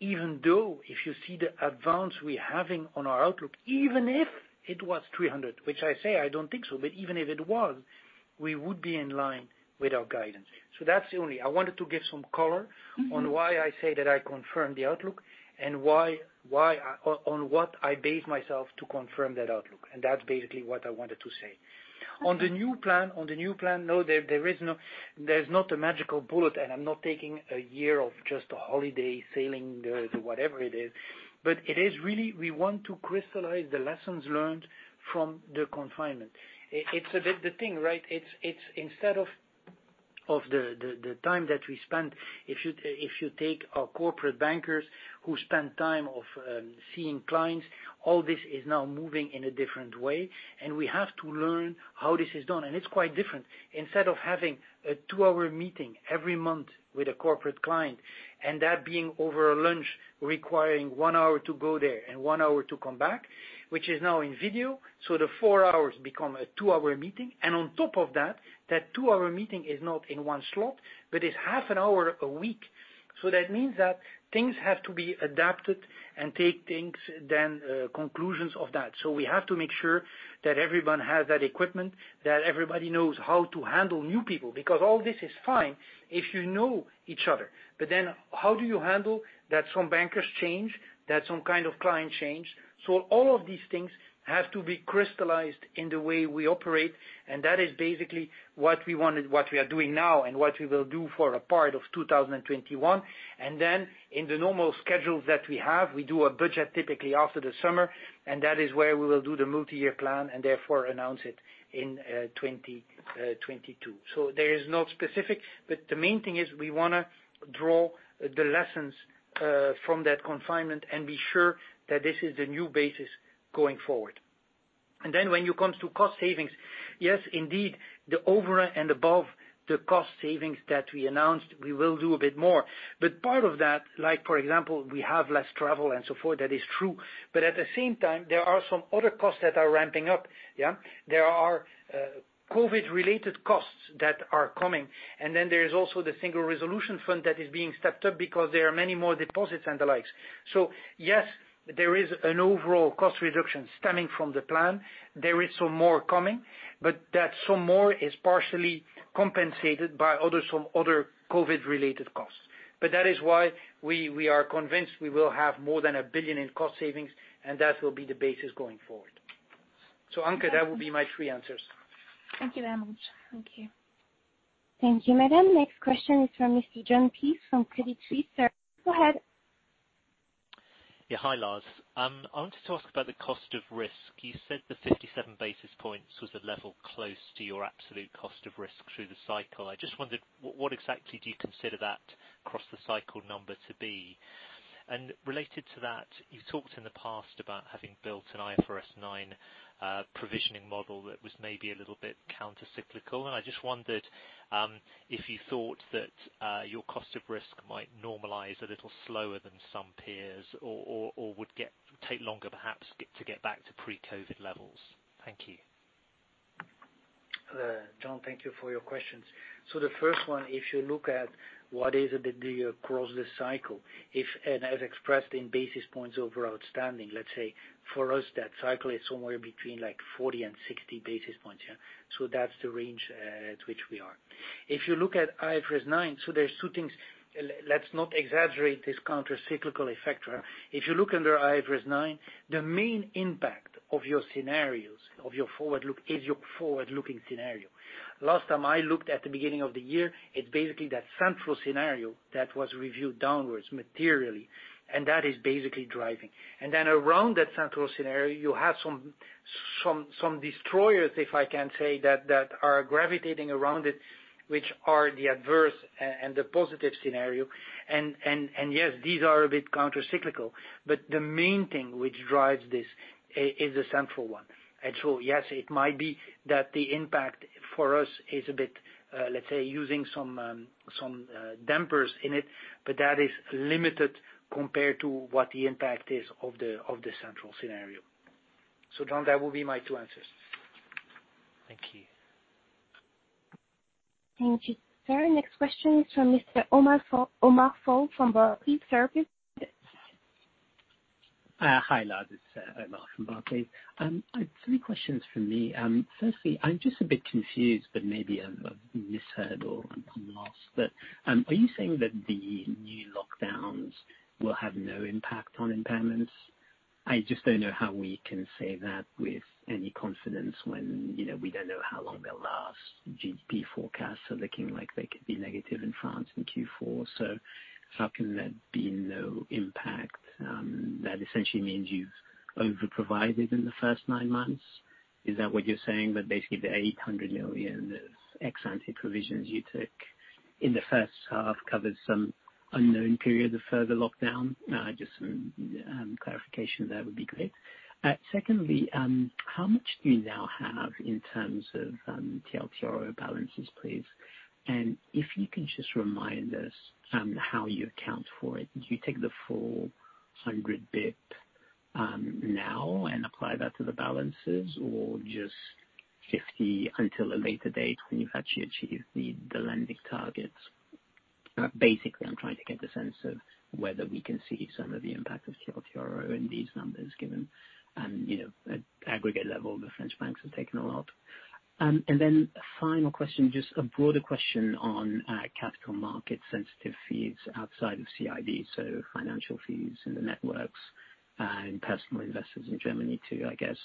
Even though, if you see the advance we're having on our outlook, even if it was 300, which I say I don't think so, but even if it was, we would be in line with our guidance. That's the only I wanted to give some color on why I say that I confirm the outlook, and on what I base myself to confirm that outlook. That's basically what I wanted to say. On the new plan, no, there's not a magical bullet, and I'm not taking a year of just a holiday, sailing, the whatever it is. It is really, we want to crystallize the lessons learned from the confinement. It's a bit the thing, right? It's instead of the time that we spent, if you take our corporate bankers who spend time of seeing clients, all this is now moving in a different way, and we have to learn how this is done. It's quite different. Instead of having a two-hour meeting every month with a corporate client, and that being over a lunch requiring one hour to go there and one hour to come back, which is now in video, so the four hours become a two-hour meeting, and on top of that two-hour meeting is not in one slot, but it's half an hour a week. That means that things have to be adapted and take things, then conclusions of that. We have to make sure that everyone has that equipment, that everybody knows how to handle new people, because all this is fine if you know each other. How do you handle that some bankers change, that some kind of client change? All of these things have to be crystallized in the way we operate, and that is basically what we wanted, what we are doing now, and what we will do for a part of 2021. In the normal schedules that we have, we do a budget typically after the summer, and that is where we will do the multi-year plan and therefore announce it in 2022. There is no specific, but the main thing is we want to draw the lessons from that confinement and be sure that this is the new basis going forward. When you come to cost savings, yes, indeed, the over and above the cost savings that we announced, we will do a bit more. Part of that, for example, we have less travel and so forth, that is true. At the same time, there are some other costs that are ramping up. There are COVID-related costs that are coming, there is also the Single Resolution Fund that is being stepped up because there are many more deposits and the likes. Yes, there is an overall cost reduction stemming from the plan. There is some more coming, that some more is partially compensated by some other COVID-related costs. That is why we are convinced we will have more than 1 billion in cost savings, and that will be the basis going forward. Anke, that will be my three answers. Thank you very much. Thank you. Thank you, madame. Next question is from Mr. Jon Peace from Credit Suisse. Sir, go ahead. Hi, Lars. I wanted to ask about the cost of risk. You said the 57 basis points was the level close to your absolute cost of risk through the cycle. I just wondered what exactly do you consider that cross the cycle number to be? Related to that, you talked in the past about having built an IFRS 9 provisioning model that was maybe a little bit countercyclical, and I just wondered if you thought that your cost of risk might normalize a little slower than some peers or would take longer, perhaps, to get back to pre-COVID levels. Thank you. Jon, thank you for your questions. The first one, if you look at what is the cross the cycle, and as expressed in basis points over outstanding, let's say for us, that cycle is somewhere between 40 and 60 basis points. That's the range at which we are. If you look at IFRS 9, there's two things. Let's not exaggerate this countercyclical effect. If you look under IFRS 9, the main impact of your scenarios, of your forward look, is your forward-looking scenario. Last time I looked at the beginning of the year, it's basically that central scenario that was reviewed downwards materially, and that is basically driving. Then around that central scenario, you have some destroyers, if I can say, that are gravitating around it, which are the adverse and the positive scenario. Yes, these are a bit countercyclical, but the main thing which drives this is the central one. Yes, it might be that the impact for us is a bit, let's say, using some dampers in it, but that is limited compared to what the impact is of the central scenario. Jon, that will be my two answers. Thank you. Thank you. Sir, next question is from Mr. Omar Fall from Barclays. Sir, please go ahead. Hi, Lars. It's Omar from Barclays. three questions from me. Firstly, I'm just a bit confused, but maybe I've misheard or I'm last. Are you saying that the new lockdowns will have no impact on impairments? I just don't know how we can say that with any confidence when we don't know how long they'll last. GDP forecasts are looking like they could be negative in France in Q4. How can there be no impact? That essentially means you've over-provided in the first nine months. Is that what you're saying? That basically the 800 million ex-ante provisions you took in the first half covered some unknown period of further lockdown? Just some clarification there would be great. Secondly, how much do you now have in terms of TLTRO balances, please? If you can just remind us how you account for it. Do you take the full 100 basis points now and apply that to the balances, or just 50 basis points until a later date when you've actually achieved the lending targets? Basically, I'm trying to get a sense of whether we can see some of the impact of TLTRO in these numbers given aggregate level, the French banks have taken a lot. A final question, just a broader question on capital markets sensitive fees outside of CIB, so financial fees in the networks and personal investors in Germany too, I guess.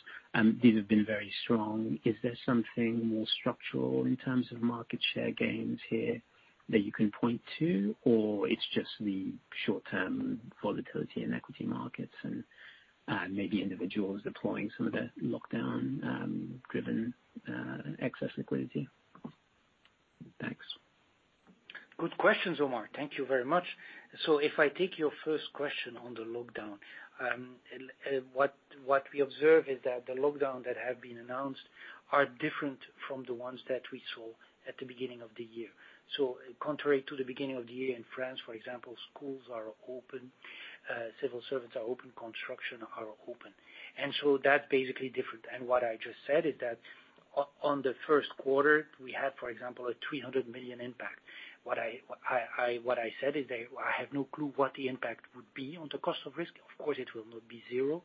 These have been very strong. Is there something more structural in terms of market share gains here that you can point to, or it's just the short-term volatility in equity markets and maybe individuals deploying some of the lockdown-driven excess liquidity? Thanks. Good questions, Omar. Thank you very much. If I take your first question on the lockdown, what we observe is that the lockdown that have been announced are different from the ones that we saw at the beginning of the year. Contrary to the beginning of the year in France, for example, schools are open, civil servants are open, construction are open. That's basically different. What I just said is that on the first quarter, we had, for example, a 300 million impact. What I said is that I have no clue what the impact would be on the cost of risk. Of course, it will not be zero,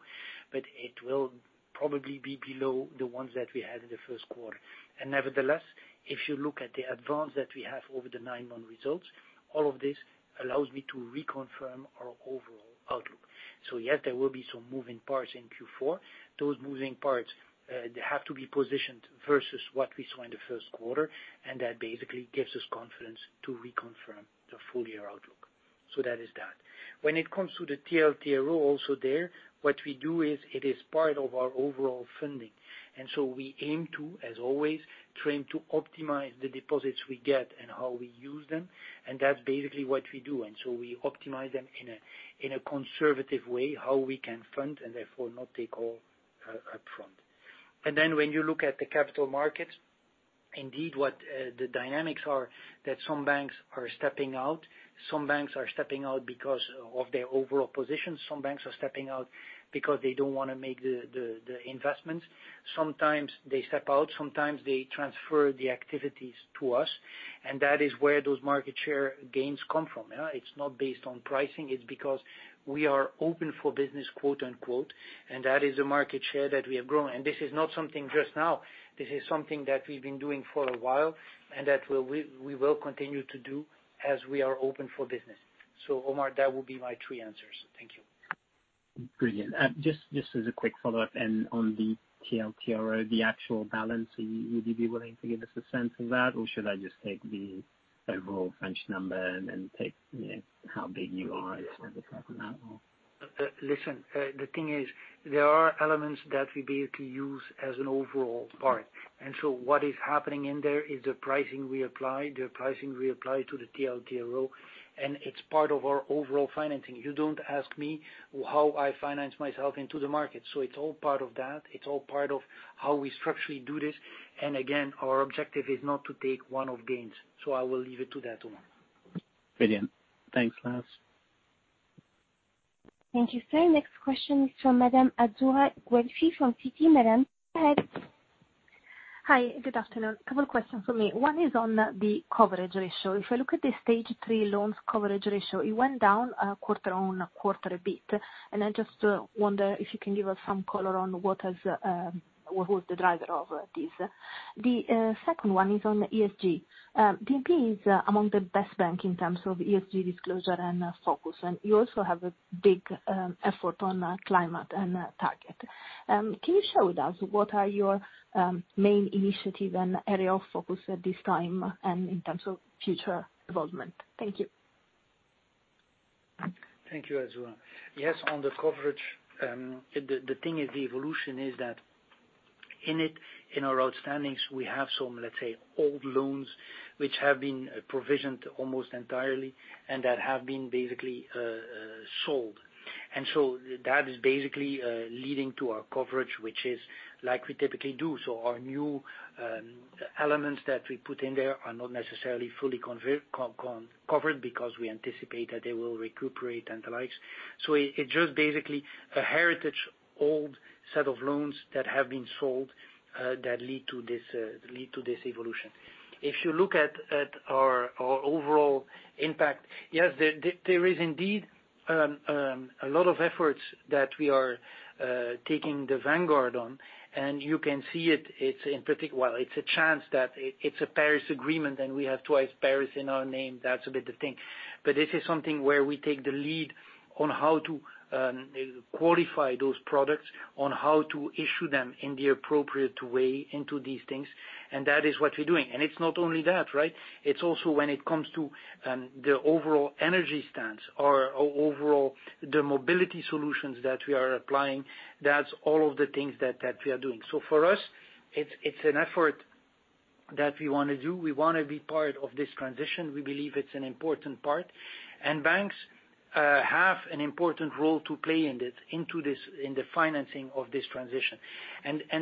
but it will probably be below the ones that we had in the first quarter. Nevertheless, if you look at the advance that we have over the nine-month results, all of this allows me to reconfirm our overall outlook. Yes, there will be some moving parts in Q4. Those moving parts, they have to be positioned versus what we saw in the first quarter, and that basically gives us confidence to reconfirm the full-year outlook. That is that. When it comes to the TLTRO, also there, what we do is, it is part of our overall funding. We aim to, as always, try to optimize the deposits we get and how we use them, and that's basically what we do. We optimize them in a conservative way, how we can fund, and therefore not take all upfront. When you look at the capital markets, indeed, what the dynamics are that some banks are stepping out. Some banks are stepping out because of their overall position. Some banks are stepping out because they don't want to make the investments. Sometimes they step out, sometimes they transfer the activities to us. That is where those market share gains come from. It's not based on pricing, it's because we are "open for business," quote, unquote. That is a market share that we have grown. This is not something just now, this is something that we've been doing for a while, and that we will continue to do as we are open for business. Omar, that will be my three answers. Thank you. Brilliant. Just as a quick follow-up on the TLTRO, the actual balance, would you be willing to give us a sense of that? Or should I just take the overall French number and take how big you are that, or? Listen, the thing is, there are elements that we basically use as an overall part. What is happening in there is the pricing we apply, the pricing we apply to the TLTRO, and it's part of our overall financing. You don't ask me how I finance myself into the market, so it's all part of that. It's all part of how we structurally do this. Again, our objective is not to take one-off gains. I will leave it to that, Omar. Brilliant. Thanks, Lars. Thank you, sir. Next question is from Madame Azzurra Guelfi from Citi. Madame, go ahead. Hi, good afternoon. A couple of questions for me. One is on the coverage ratio. If I look at the stage 3 loans coverage ratio, it went down quarter-on-quarter a bit. I just wonder if you can give us some color on what was the driver of this. The second one is on ESG. BNP is among the best bank in terms of ESG disclosure and focus, and you also have a big effort on climate and target. Can you share with us what are your main initiative and area of focus at this time and in terms of future development? Thank you. Thank you, Azzurra. On the coverage, the thing is the evolution is that in it, in our outstandings, we have some, let's say, old loans, which have been provisioned almost entirely and that have been basically sold. That is basically leading to our coverage, which is like we typically do. Our new elements that we put in there are not necessarily fully covered because we anticipate that they will recuperate and the likes. It's just basically a heritage old set of loans that have been sold, that lead to this evolution. If you look at our overall impact, there is indeed a lot of efforts that we are taking the vanguard on, and you can see it's a chance that it's a Paris Agreement, and we have twice Paris in our name, that's a bit the thing. This is something where we take the lead on how to qualify those products, on how to issue them in the appropriate way into these things, and that is what we're doing. It's not only that, right? It's also when it comes to the overall energy stance or overall the mobility solutions that we are applying, that's all of the things that we are doing. For us, it's an effort that we want to do. We want to be part of this transition. We believe it's an important part. Banks have an important role to play in the financing of this transition.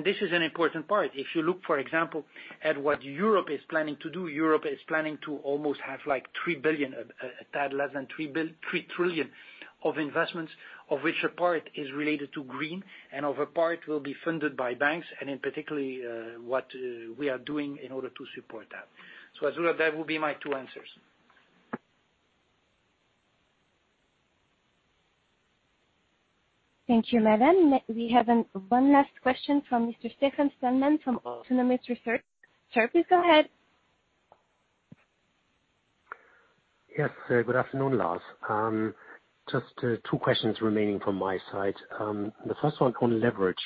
This is an important part. If you look, for example, at what Europe is planning to do, Europe is planning to almost have a tad less than 3 trillion of investments, of which a part is related to green and of a part will be funded by banks, and in particular, what we are doing in order to support that. Azzurra, that would be my two answers. Thank you, Madame. We have one last question from Mr. Stefan Stalmann from Autonomous Research. Sir, please go ahead. Yes. Good afternoon, Lars. Just two questions remaining from my side. The first one on leverage.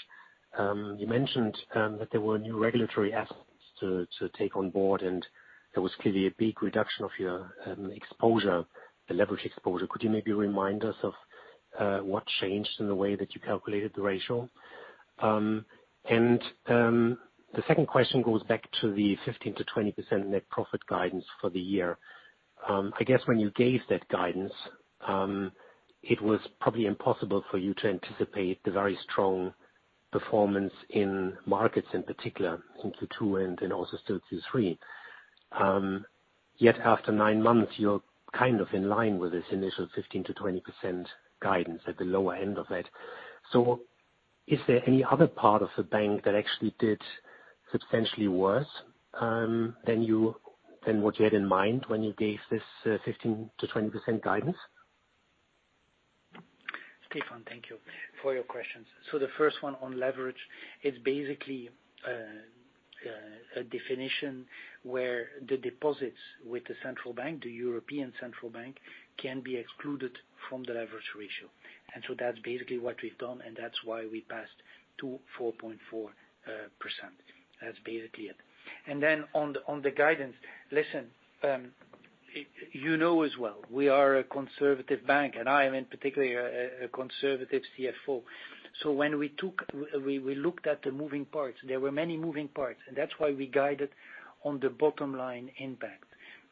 You mentioned that there were new regulatory aspects to take on board, and there was clearly a big reduction of your leverage exposure. Could you maybe remind us of what changed in the way that you calculated the ratio? The second question goes back to the 15%-20% net profit guidance for the year. I guess when you gave that guidance, it was probably impossible for you to anticipate the very strong performance in markets, in particular in Q2 and then also still Q3. Yet after nine months, you're kind of in line with this initial 15%-20% guidance at the lower end of it. Is there any other part of the bank that actually did substantially worse than what you had in mind when you gave this 15%-20% guidance? Stefan, thank you for your questions. The first one on leverage is basically a definition where the deposits with the central bank, the European Central Bank, can be excluded from the leverage ratio. That's basically what we've done, and that's why we passed to 4.4%. That's basically it. On the guidance, listen, you know as well, we are a conservative bank, and I am in particular, a conservative CFO. When we looked at the moving parts, there were many moving parts, and that's why we guided on the bottom line impact.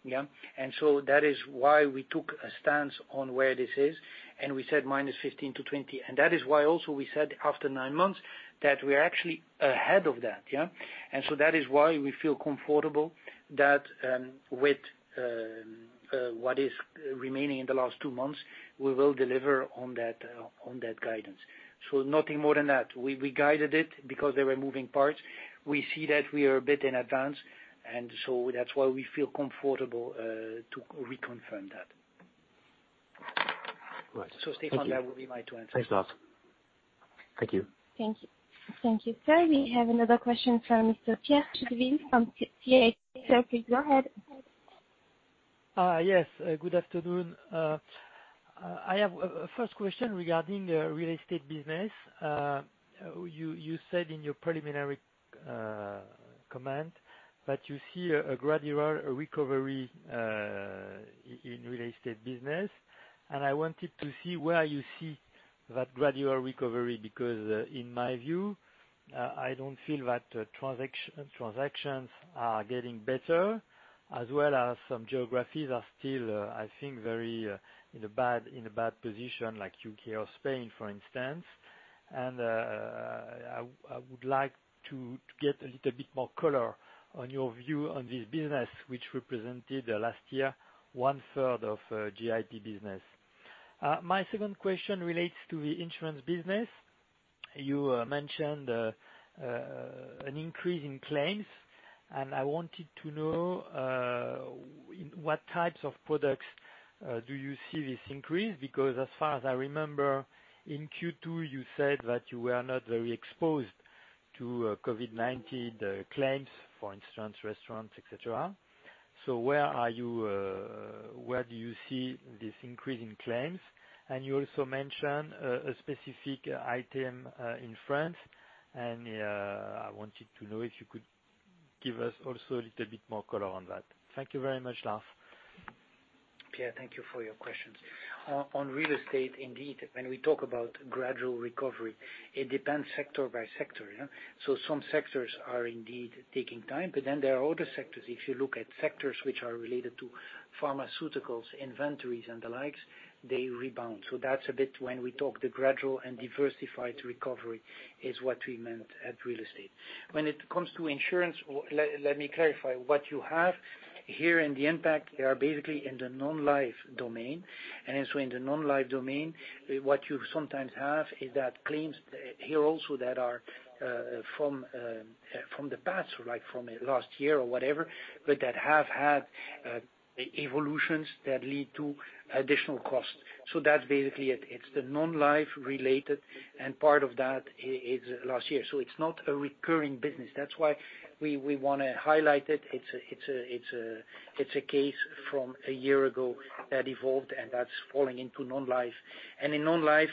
Yeah? That is why we took a stance on where this is, and we said -15% to -20%. That is why also we said after nine months that we're actually ahead of that. That is why we feel comfortable that, with what is remaining in the last two months, we will deliver on that guidance. Nothing more than that. We guided it because there were moving parts. We see that we are a bit in advance, that's why we feel comfortable to reconfirm that. Right. Thank you. Stefan, that will be my two answers. Thanks, Lars. Thank you. Thank you, sir. We have another question from Mr. Pierre Chédeville from CIC. Sir, please go ahead. Yes, good afternoon. I have a first question regarding real estate business. You said in your preliminary comment that you see a gradual recovery in real estate business, and I wanted to see where you see that gradual recovery, because in my view, I don't feel that transactions are getting better as well as some geographies are still, I think, very in a bad position like U.K. or Spain, for instance. I would like to get a little bit more color on your view on this business, which represented last year one-third of IFS business. My second question relates to the insurance business. You mentioned an increase in claims, and I wanted to know in what types of products do you see this increase, because as far as I remember, in Q2, you said that you were not very exposed to COVID-19 claims, for instance, restaurants, et cetera. Where do you see this increase in claims? You also mentioned a specific item in France, and I wanted to know if you could give us also a little bit more color on that. Thank you very much, Lars. Pierre, thank you for your questions. Real estate, indeed, when we talk about gradual recovery, it depends sector by sector. Some sectors are indeed taking time, there are other sectors, if you look at sectors which are related to pharmaceuticals, inventories, and the likes, they rebound. That's a bit when we talk the gradual and diversified recovery is what we meant at real estate. When it comes to insurance, let me clarify. What you have here in the impact are basically in the non-life domain. In the non-life domain, what you sometimes have is that claims here also that are from the past, like from last year or whatever, that have had evolutions that lead to additional costs. That's basically it. It's the non-life related, part of that is last year. It's not a recurring business. That's why we want to highlight it. It's a case from a year ago that evolved, and that's falling into non-life. In non-life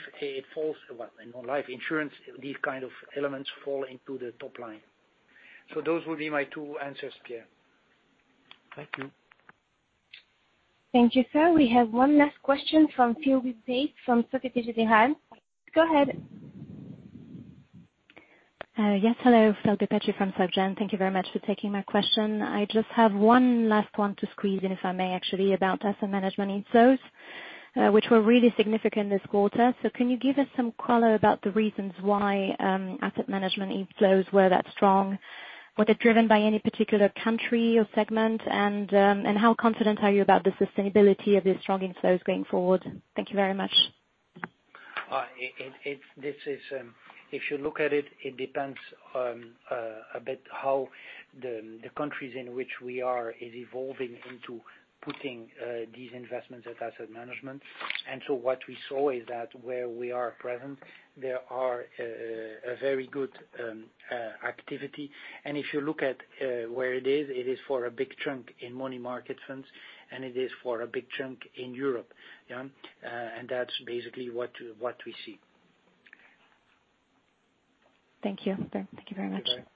insurance, these kind of elements fall into the top line. Those will be my two answers, Pierre. Thank you. Thank you, sir. We have one last question from [Flora Bocahut] from Societe Generale. Go ahead. Yes, hello. [Flora Bocahut] from SocGen. Thank you very much for taking my question. I just have one last one to squeeze in, if I may, actually, about asset management inflows, which were really significant this quarter. Can you give us some color about the reasons why asset management inflows were that strong? Were they driven by any particular country or segment? And how confident are you about the sustainability of these strong inflows going forward? Thank you very much. If you look at it depends a bit how the countries in which we are is evolving into putting these investments at asset management. What we saw is that where we are present, there are a very good activity. If you look at where it is, it is for a big chunk in money market funds, and it is for a big chunk in Europe. That's basically what we see. Thank you. Thank you very much. You're welcome.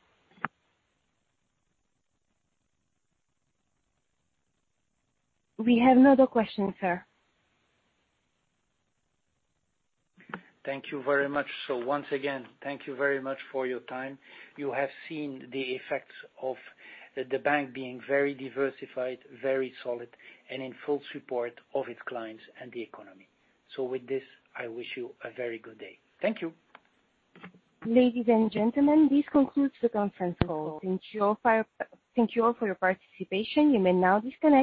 We have no other questions, sir. Thank you very much. Once again, thank you very much for your time. You have seen the effects of the bank being very diversified, very solid, and in full support of its clients and the economy. With this, I wish you a very good day. Thank you. Ladies and gentlemen, this concludes the conference call. Thank you all for your participation. You may now disconnect.